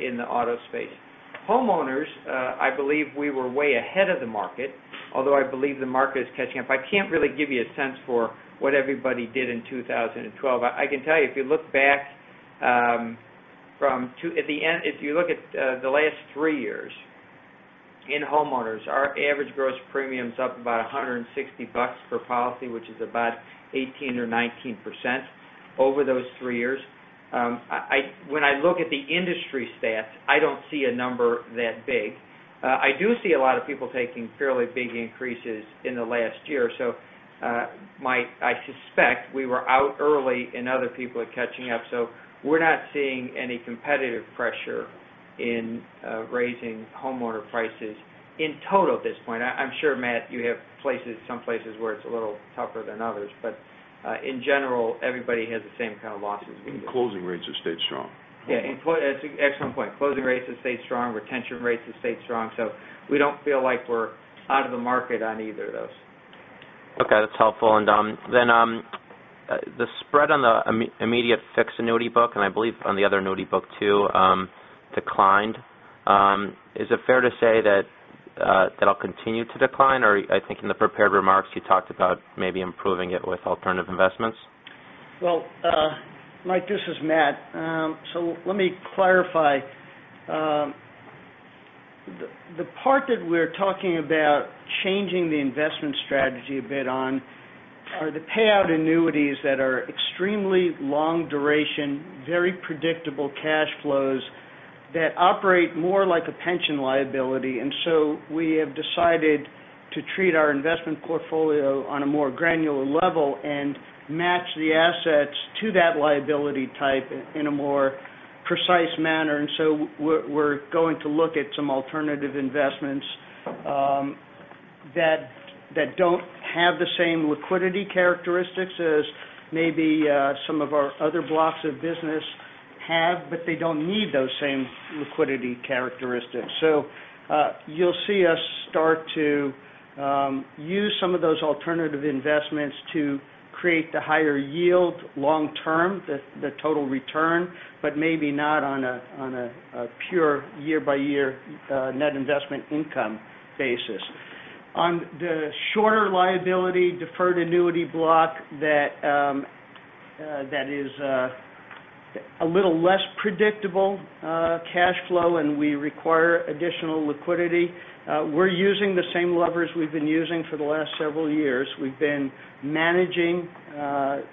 in the auto space. Homeowners, I believe we were way ahead of the market, although I believe the market is catching up. I can't really give you a sense for what everybody did in 2012. I can tell you, if you look at the last three years in homeowners, our average gross premium's up about $160 per policy, which is about 18% or 19% over those three years. When I look at the industry stats, I don't see a number that big. I do see a lot of people taking fairly big increases in the last year. Mike, I suspect we were out early and other people are catching up. We're not seeing any competitive pressure in raising homeowner prices in total at this point. I'm sure, Matt, you have some places where it's a little tougher than others, in general, everybody has the same kind of losses we do. Closing rates have stayed strong. Yeah. Excellent point. Closing rates have stayed strong. Retention rates have stayed strong. We don't feel like we're out of the market on either of those. That's helpful. The spread on the immediate fixed annuity book, and I believe on the other annuity book too, declined. Is it fair to say that that'll continue to decline, or I think in the prepared remarks, you talked about maybe improving it with alternative investments? Well, Michael, this is Matthew. Let me clarify. The part that we're talking about changing the investment strategy a bit on are the payout annuities that are extremely long duration, very predictable cash flows that operate more like a pension liability. We have decided to treat our investment portfolio on a more granular level and match the assets to that liability type in a more precise manner. We're going to look at some alternative investments that don't have the same liquidity characteristics as maybe some of our other blocks of business have, but they don't need those same liquidity characteristics. You'll see us start to use some of those alternative investments to create the higher yield long term, the total return, but maybe not on a pure year-by-year net investment income basis. On the shorter liability deferred annuity block that is a little less predictable cash flow, and we require additional liquidity, we're using the same levers we've been using for the last several years. We've been managing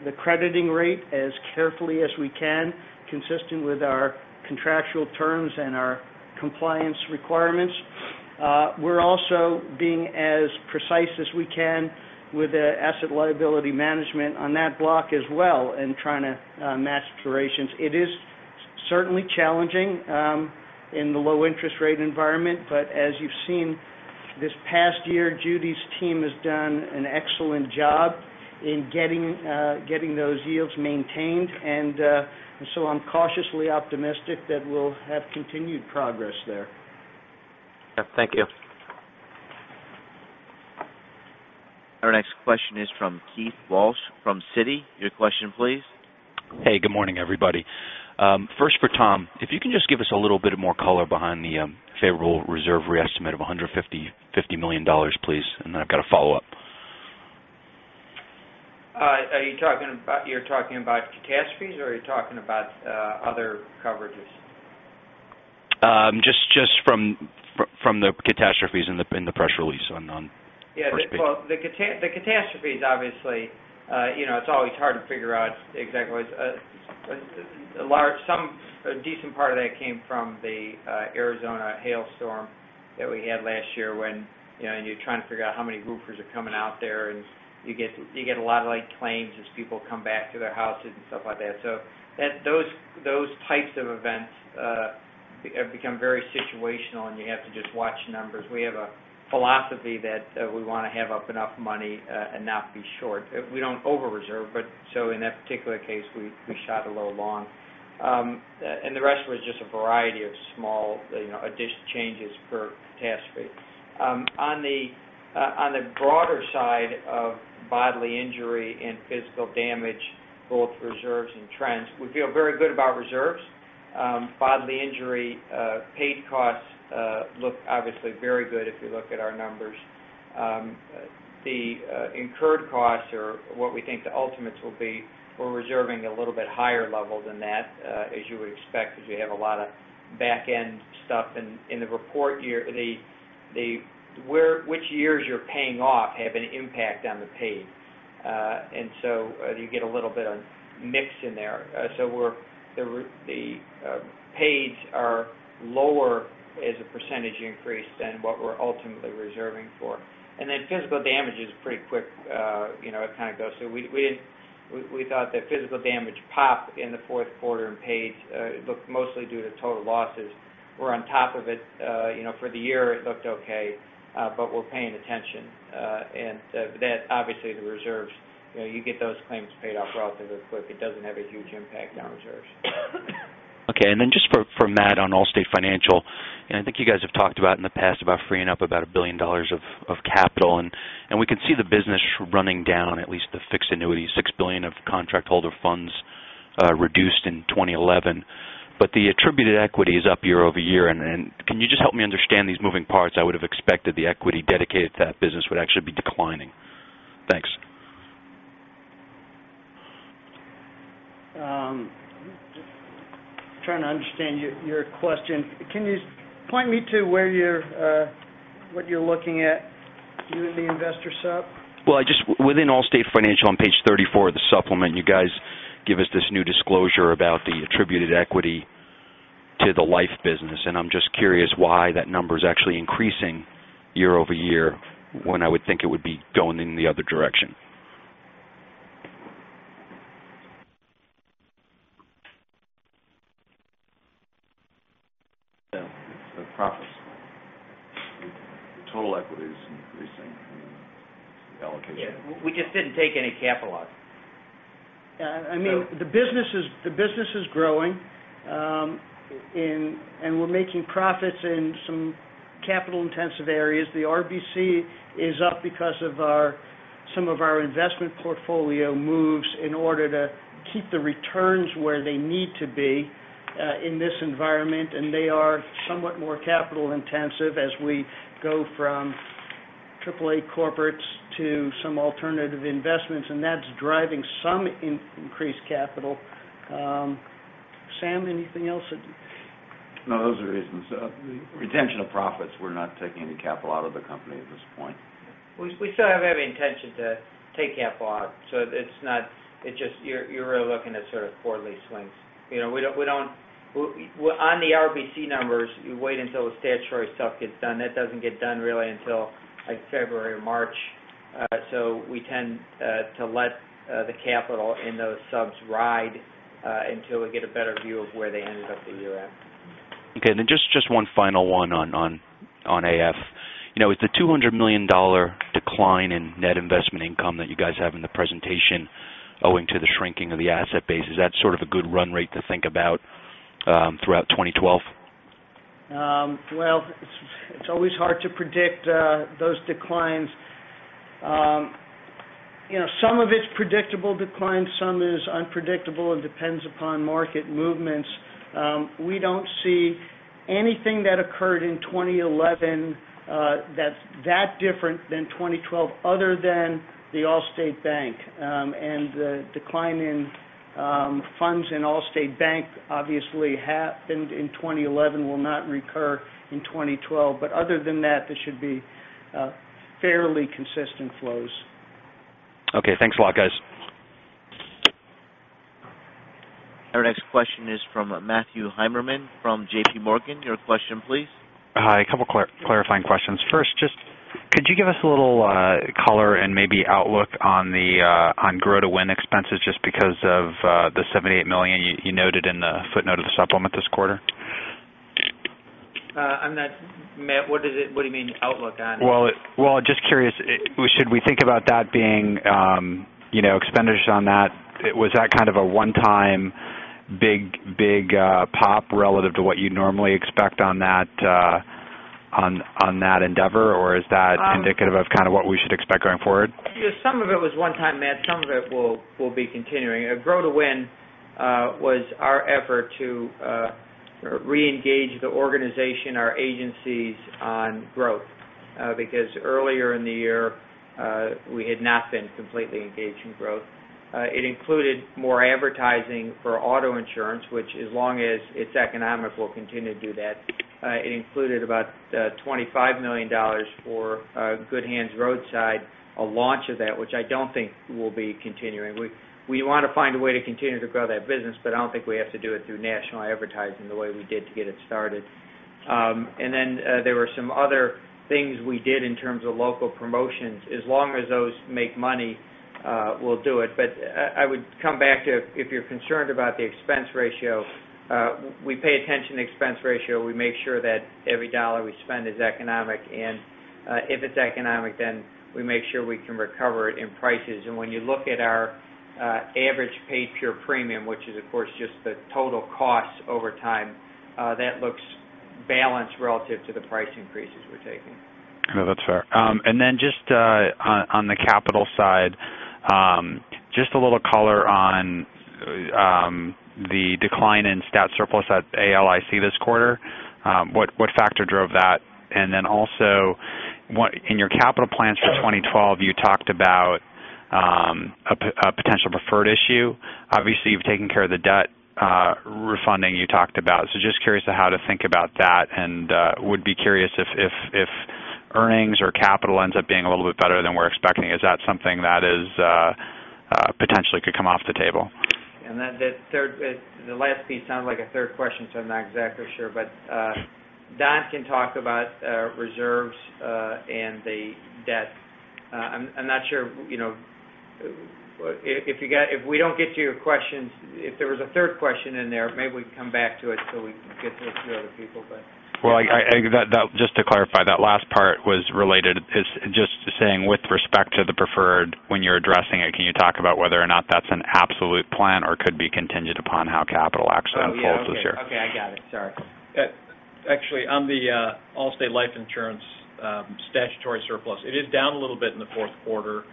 the crediting rate as carefully as we can, consistent with our contractual terms and our compliance requirements. We're also being as precise as we can with the asset liability management on that block as well and trying to match durations. It is certainly challenging in the low interest rate environment, but as you've seen this past year, Judith's team has done an excellent job in getting those yields maintained. I'm cautiously optimistic that we'll have continued progress there. Yeah. Thank you. Our next question is from Keith Walsh from Citi. Your question, please. Hey, good morning, everybody. First for Tom, if you can just give us a little bit more color behind the favorable reserve re-estimate of $150 million, please, and then I've got a follow-up. You're talking about catastrophes or are you talking about other coverages? Just from the catastrophes in the press release on the first page. Well, the catastrophes, obviously, it's always hard to figure out exactly. A decent part of that came from the Arizona hailstorm that we had last year when you're trying to figure out how many roofers are coming out there, and you get a lot of late claims as people come back to their houses and stuff like that. Those types of events have become very situational, and you have to just watch numbers. We have a philosophy that we want to have up enough money and not be short. We don't over-reserve. In that particular case, we shot a little long. The rest was just a variety of small addition changes per catastrophe. On the broader side of bodily injury and physical damage, both reserves and trends, we feel very good about reserves. Bodily injury paid costs look obviously very good if you look at our numbers. The incurred costs are what we think the ultimates will be. We're reserving a little bit higher level than that, as you would expect, because you have a lot of back end stuff in the report year. Which years you're paying off have an impact on the paid, you get a little bit of mix in there. The paids are lower as a percentage increase than what we're ultimately reserving for. Then physical damage is pretty quick. It kind of goes through. We thought that physical damage popped in the fourth quarter in paids, mostly due to total losses. We're on top of it. For the year, it looked okay. We're paying attention. That, obviously, the reserves, you get those claims paid off relatively quick. It doesn't have a huge impact on reserves. Just for Matt on Allstate Financial, I think you guys have talked about in the past about freeing up about $1 billion of capital, we can see the business running down at least the fixed annuity, $6 billion of contract holder funds reduced in 2011. The attributed equity is up year-over-year. Can you just help me understand these moving parts? I would've expected the equity dedicated to that business would actually be declining. Thanks. I'm just trying to understand your question. Can you point me to what you're looking at, you in the investor supp? Well, just within Allstate Financial on page 34 of the supplement, you guys give us this new disclosure about the attributed equity to the life business, and I'm just curious why that number's actually increasing year-over-year when I would think it would be going in the other direction. Yeah, it's the profits. The total equity is increasing from the allocation. Yeah. We just didn't take any capital out. I mean, the business is growing. We're making profits in some capital-intensive areas. The RBC is up because of some of our investment portfolio moves in order to keep the returns where they need to be, in this environment, and they are somewhat more capital intensive as we go from AAA corporates to some alternative investments, and that's driving some increased capital. Sam, anything else that No, those are the reasons. Retention of profits, we're not taking any capital out of the company at this point. We still have every intention to take capital out, you're really looking at sort of quarterly swings. On the RBC numbers, you wait until the statutory stuff gets done. That doesn't get done really until like February or March. We tend to let the capital in those subs ride, until we get a better view of where they ended up the year at. Okay, just one final one on AF. With the $200 million decline in net investment income that you guys have in the presentation owing to the shrinking of the asset base, is that sort of a good run rate to think about, throughout 2012? Well, it's always hard to predict those declines. Some of it's predictable decline, some is unpredictable and depends upon market movements. We don't see anything that occurred in 2011 that's that different than 2012 other than the Allstate Bank, and the decline in funds in Allstate Bank obviously happened in 2011, will not recur in 2012. Other than that, there should be fairly consistent flows. Okay. Thanks a lot, guys. Our next question is from Matthew Heimermann from JPMorgan. Your question please. Hi, a couple clarifying questions. First, just could you give us a little color and maybe outlook on Grow to Win expenses just because of the $78 million you noted in the footnote of the supplement this quarter? On that, Matt, what do you mean outlook on? Just curious, should we think about that being expenditures on that, was that kind of a one-time big pop relative to what you'd normally expect on that endeavor, or is that indicative of kind of what we should expect going forward? Some of it was one-time, Matt. Some of it will be continuing. Grow to Win was our effort to reengage the organization, our agencies on growth. Earlier in the year, we had not been completely engaged in growth. It included more advertising for auto insurance, which as long as it's economic, we'll continue to do that. It included about $25 million for Good Hands Roadside, a launch of that, which I don't think will be continuing. We want to find a way to continue to grow that business, but I don't think we have to do it through national advertising the way we did to get it started. As long as those make money, we'll do it. I would come back to if you're concerned about the expense ratio, we pay attention to expense ratio. We make sure that every dollar we spend is economic. If it's economic, then we make sure we can recover it in prices. When you look at our average paid pure premium, which is of course just the total cost over time. That looks balanced relative to the price increases we're taking. No, that's fair. Just on the capital side, just a little color on the decline in stat surplus at ALIC this quarter. What factor drove that? Also, in your capital plans for 2012, you talked about a potential preferred issue. Obviously, you've taken care of the debt refunding you talked about. Just curious to how to think about that, and would be curious if earnings or capital ends up being a little bit better than we're expecting. Is that something that potentially could come off the table? The last piece sounded like a third question, I'm not exactly sure. Don can talk about reserves and the debt. I'm not sure. If there was a third question in there, maybe we can come back to it so we can get to a few other people. Well, just to clarify, that last part was just saying with respect to the preferred when you're addressing it, can you talk about whether or not that's an absolute plan or could be contingent upon how capital actually unfolds this year? Okay. I got it. Sorry. Actually, on the Allstate Life Insurance statutory surplus, it is down a little bit in the fourth quarter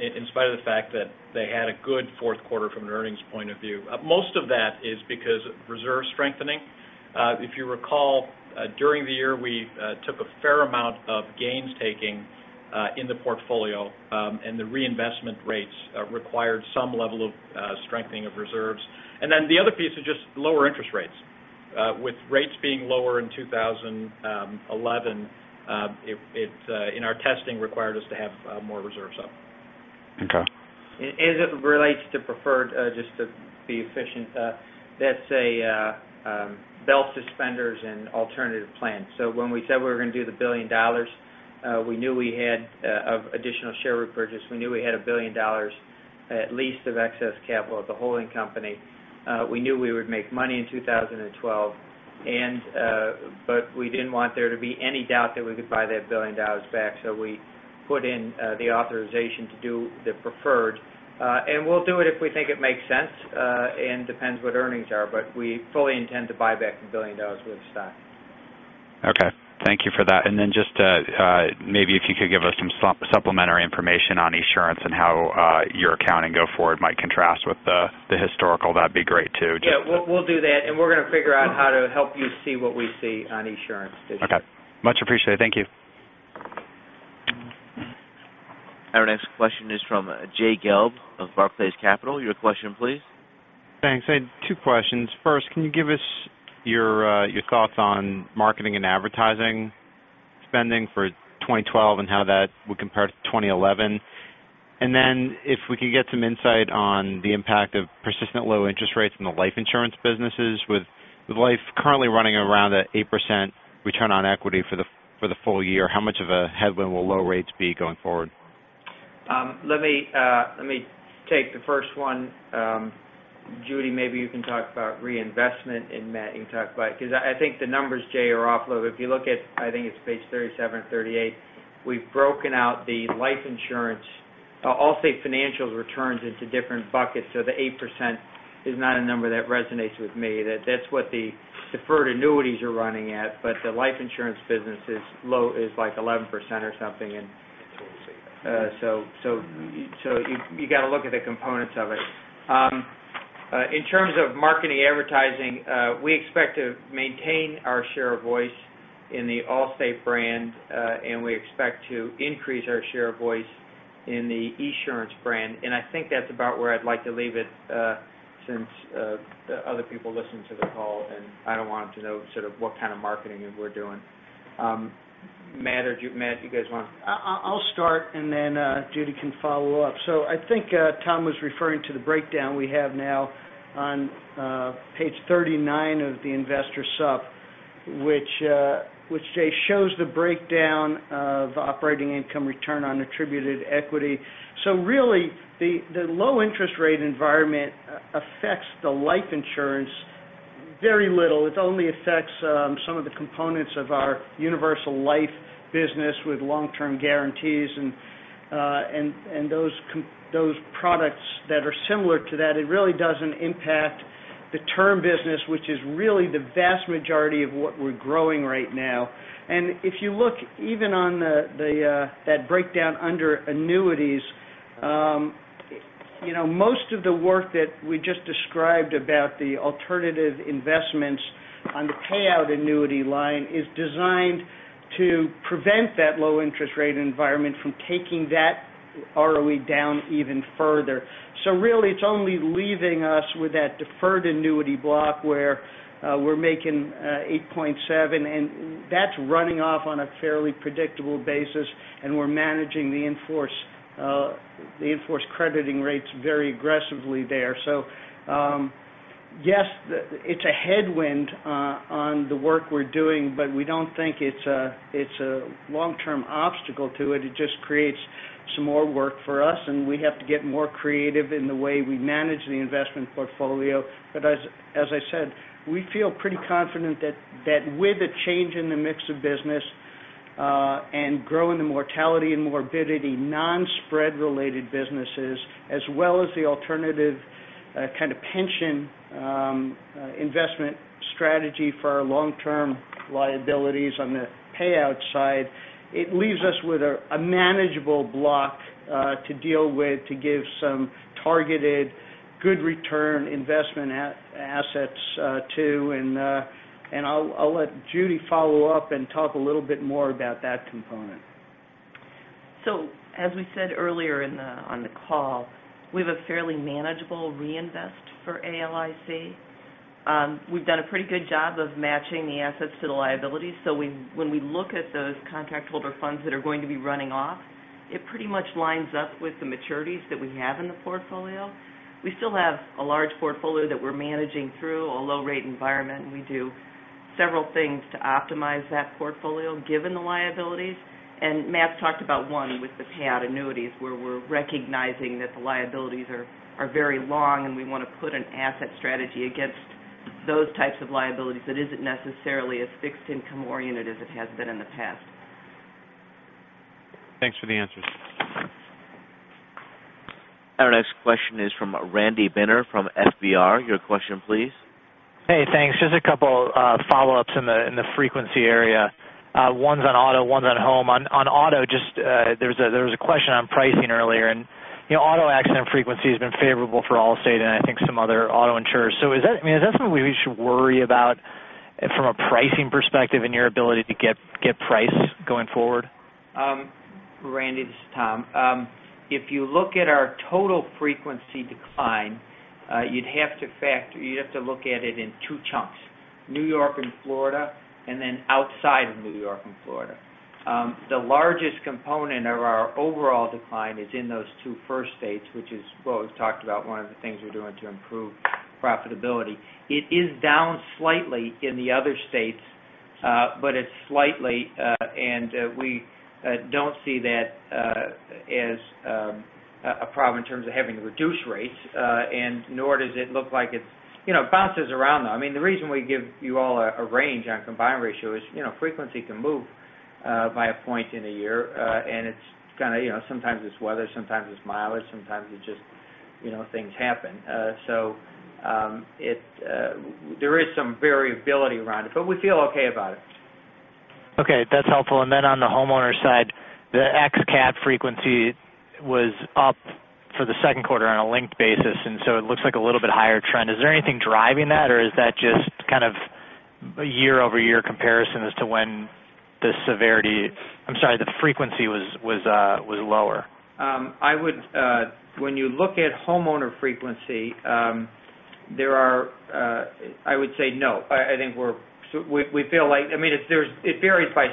in spite of the fact that they had a good fourth quarter from an earnings point of view. Most of that is because reserve strengthening. If you recall, during the year, we took a fair amount of gains taking in the portfolio, the reinvestment rates required some level of strengthening of reserves. The other piece is just lower interest rates. With rates being lower in 2011, in our testing required us to have more reserves up. Okay. As it relates to preferred, just to be efficient, that's a belt suspenders and alternative plan. When we said we were going to do the $1 billion of additional share repurchase, we knew we had $1 billion at least of excess capital at the holding company. We knew we would make money in 2012, we didn't want there to be any doubt that we could buy that billion dollars back. We put in the authorization to do the preferred. We'll do it if we think it makes sense, and depends what earnings are, we fully intend to buy back the billion dollars worth of stock. Okay. Thank you for that. Then just maybe if you could give us some supplementary information on Esurance and how your accounting go forward might contrast with the historical, that'd be great too. Yeah, we'll do that, we're going to figure out how to help you see what we see on Esurance this year. Okay. Much appreciated. Thank you. Our next question is from Jay Gelb of Barclays Capital. Your question, please. Thanks. I had two questions. First, can you give us your thoughts on marketing and advertising spending for 2012 and how that would compare to 2011? If we could get some insight on the impact of persistent low interest rates in the life insurance businesses with life currently running around at 8% return on equity for the full year, how much of a headwind will low rates be going forward? Let me take the first one. Judy, maybe you can talk about reinvestment, and Matt, you can talk about it because I think the numbers, Jay, are off a little. If you look at, I think it's page 37 or 38, we've broken out the life insurance, Allstate Financial's returns into different buckets. The 8% is not a number that resonates with me. That's what the deferred annuities are running at, but the life insurance business is low, is like 11% or something. I'd say so, yeah. You got to look at the components of it. In terms of marketing, advertising, we expect to maintain our share of voice in the Allstate brand, and we expect to increase our share of voice in the Esurance brand. I think that's about where I'd like to leave it since other people listen to the call, and I don't want them to know sort of what kind of marketing we're doing. Matt, you guys want to? I'll start, and then Judy can follow up. I think Tom was referring to the breakdown we have now on page 39 of the investor sup, which, Jay, shows the breakdown of operating income return on attributed equity. Really, the low interest rate environment affects the life insurance very little. It only affects some of the components of our universal life business with long-term guarantees and those products that are similar to that. It really doesn't impact the term business, which is really the vast majority of what we're growing right now. If you look even on that breakdown under annuities, most of the work that we just described about the alternative investments on the payout annuity line is designed to prevent that low interest rate environment from taking that ROE down even further. Really, it's only leaving us with that deferred annuity block where we're making 8.7, and that's running off on a fairly predictable basis, and we're managing the in-force crediting rates very aggressively there. Yes, it's a headwind on the work we're doing, but we don't think it's a long-term obstacle to it. It just creates some more work for us, and we have to get more creative in the way we manage the investment portfolio. As I said, we feel pretty confident that with a change in the mix of business Growing the mortality and morbidity non-spread related businesses, as well as the alternative kind of pension investment strategy for our long-term liabilities on the payout side, it leaves us with a manageable block to deal with to give some targeted good return investment assets too. I'll let Judy follow up and talk a little bit more about that component. As we said earlier on the call, we have a fairly manageable reinvest for ALIC. We've done a pretty good job of matching the assets to the liabilities. When we look at those contract holder funds that are going to be running off, it pretty much lines up with the maturities that we have in the portfolio. We still have a large portfolio that we're managing through a low rate environment, and we do several things to optimize that portfolio given the liabilities. Matt's talked about one with the payout annuities, where we're recognizing that the liabilities are very long, and we want to put an asset strategy against those types of liabilities that isn't necessarily as fixed income oriented as it has been in the past. Thanks for the answers. Our next question is from Randy Binner from FBR. Your question, please. Hey, thanks. Just a couple follow-ups in the frequency area. One's on auto, one's on home. On auto, there was a question on pricing earlier, and auto accident frequency has been favorable for Allstate and I think some other auto insurers. Is that something we should worry about from a pricing perspective in your ability to get price going forward? Randy, this is Tom. If you look at our total frequency decline, you'd have to look at it in 2 chunks, New York and Florida, and then outside of New York and Florida. The largest component of our overall decline is in those 2 first states, which is what we've talked about, one of the things we're doing to improve profitability. It is down slightly in the other states, but it's slightly. Nor does it look like it bounces around, though. The reason we give you all a range on combined ratio is frequency can move by a point in a year, and sometimes it's weather, sometimes it's mileage, sometimes it's just things happen. There is some variability around it, but we feel okay about it. Okay, that's helpful. Then on the homeowner side, the ex-CAT frequency was up for the second quarter on a linked basis. So it looks like a little bit higher trend. Is there anything driving that, or is that just kind of a year-over-year comparison as to when the frequency was lower? When you look at homeowner frequency, I would say no. It varies by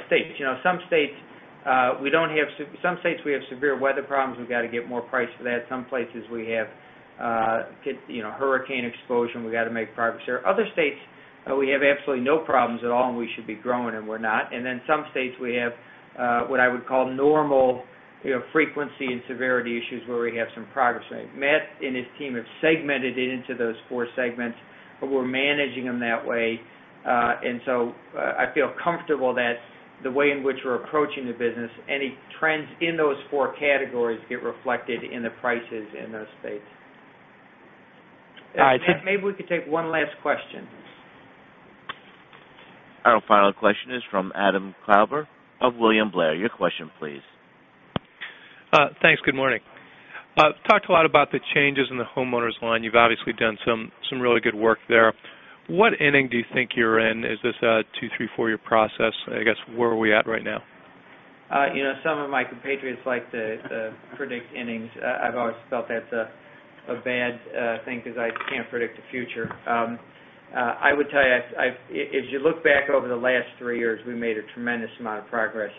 state. Some states we have severe weather problems, we've got to get more price for that. Some places we have hurricane exposure, and we've got to make progress there. Other states, we have absolutely no problems at all, and we should be growing, and we're not. Then some states we have what I would call normal frequency and severity issues where we have some progress made. Matt and his team have segmented it into those 4 segments, but we're managing them that way. So I feel comfortable that the way in which we're approaching the business, any trends in those 4 categories get reflected in the prices in those states. All right. Matt, maybe we could take one last question. Our final question is from Adam Klauber of William Blair. Your question, please. Thanks. Good morning. Talked a lot about the changes in the homeowners line. You've obviously done some really good work there. What inning do you think you're in? Is this a two, three, four-year process? I guess, where are we at right now? Some of my compatriots like to predict innings. I've always felt that's a bad thing because I can't predict the future. I would tell you, as you look back over the last three years, we made a tremendous amount of progress.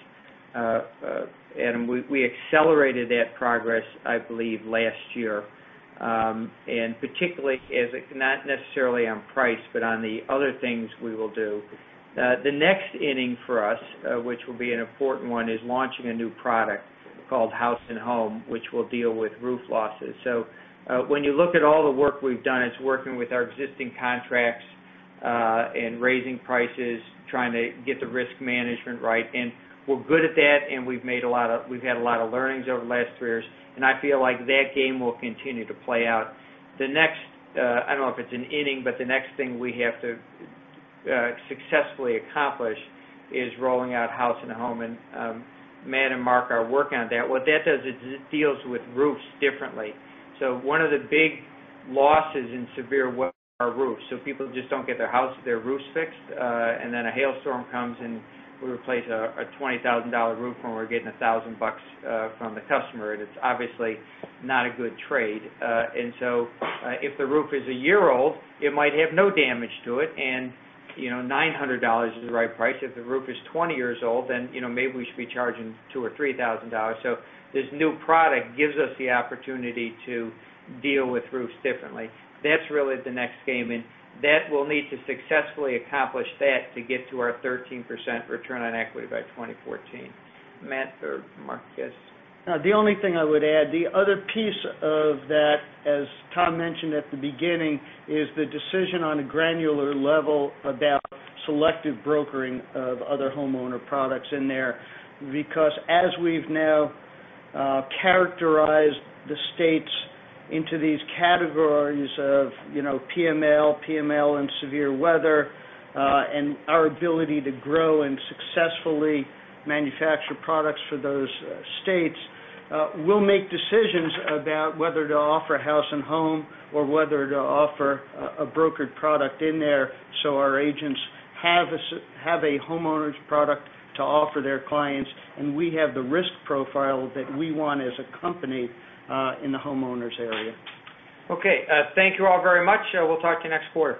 Adam, we accelerated that progress, I believe, last year, and particularly as not necessarily on price, but on the other things we will do. The next inning for us, which will be an important one, is launching a new product called Allstate House and Home, which will deal with roof losses. When you look at all the work we've done, it's working with our existing contracts and raising prices, trying to get the risk management right. We're good at that, and we've had a lot of learnings over the last three years, and I feel like that game will continue to play out. The next, I don't know if it's an inning, the next thing we have to successfully accomplish is rolling out House and Home, and Matt and Mark are working on that. What that does is it deals with roofs differently. One of the big losses in severe weather are roofs. People just don't get their roofs fixed, and then a hailstorm comes, and we replace a $20,000 roof when we're getting $1,000 from the customer, and it's obviously not a good trade. If the roof is one year old, it might have no damage to it, and $900 is the right price. If the roof is 20 years old, then maybe we should be charging $2,000 or $3,000. This new product gives us the opportunity to deal with roofs differently. That's really the next game, that will need to successfully accomplish that to get to our 13% return on equity by 2014. Matt or Mark, yes. The only thing I would add, the other piece of that, as Tom mentioned at the beginning, is the decision on a granular level about selective brokering of other homeowner products in there. As we've now characterized the states into these categories of PML and severe weather, and our ability to grow and successfully manufacture products for those states, we'll make decisions about whether to offer House and Home or whether to offer a brokered product in there so our agents have a homeowners product to offer their clients, and we have the risk profile that we want as a company in the homeowners area. Okay. Thank you all very much. We'll talk to you next quarter.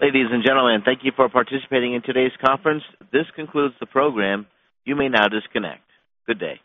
Ladies and gentlemen, thank you for participating in today's conference. This concludes the program. You may now disconnect. Good day.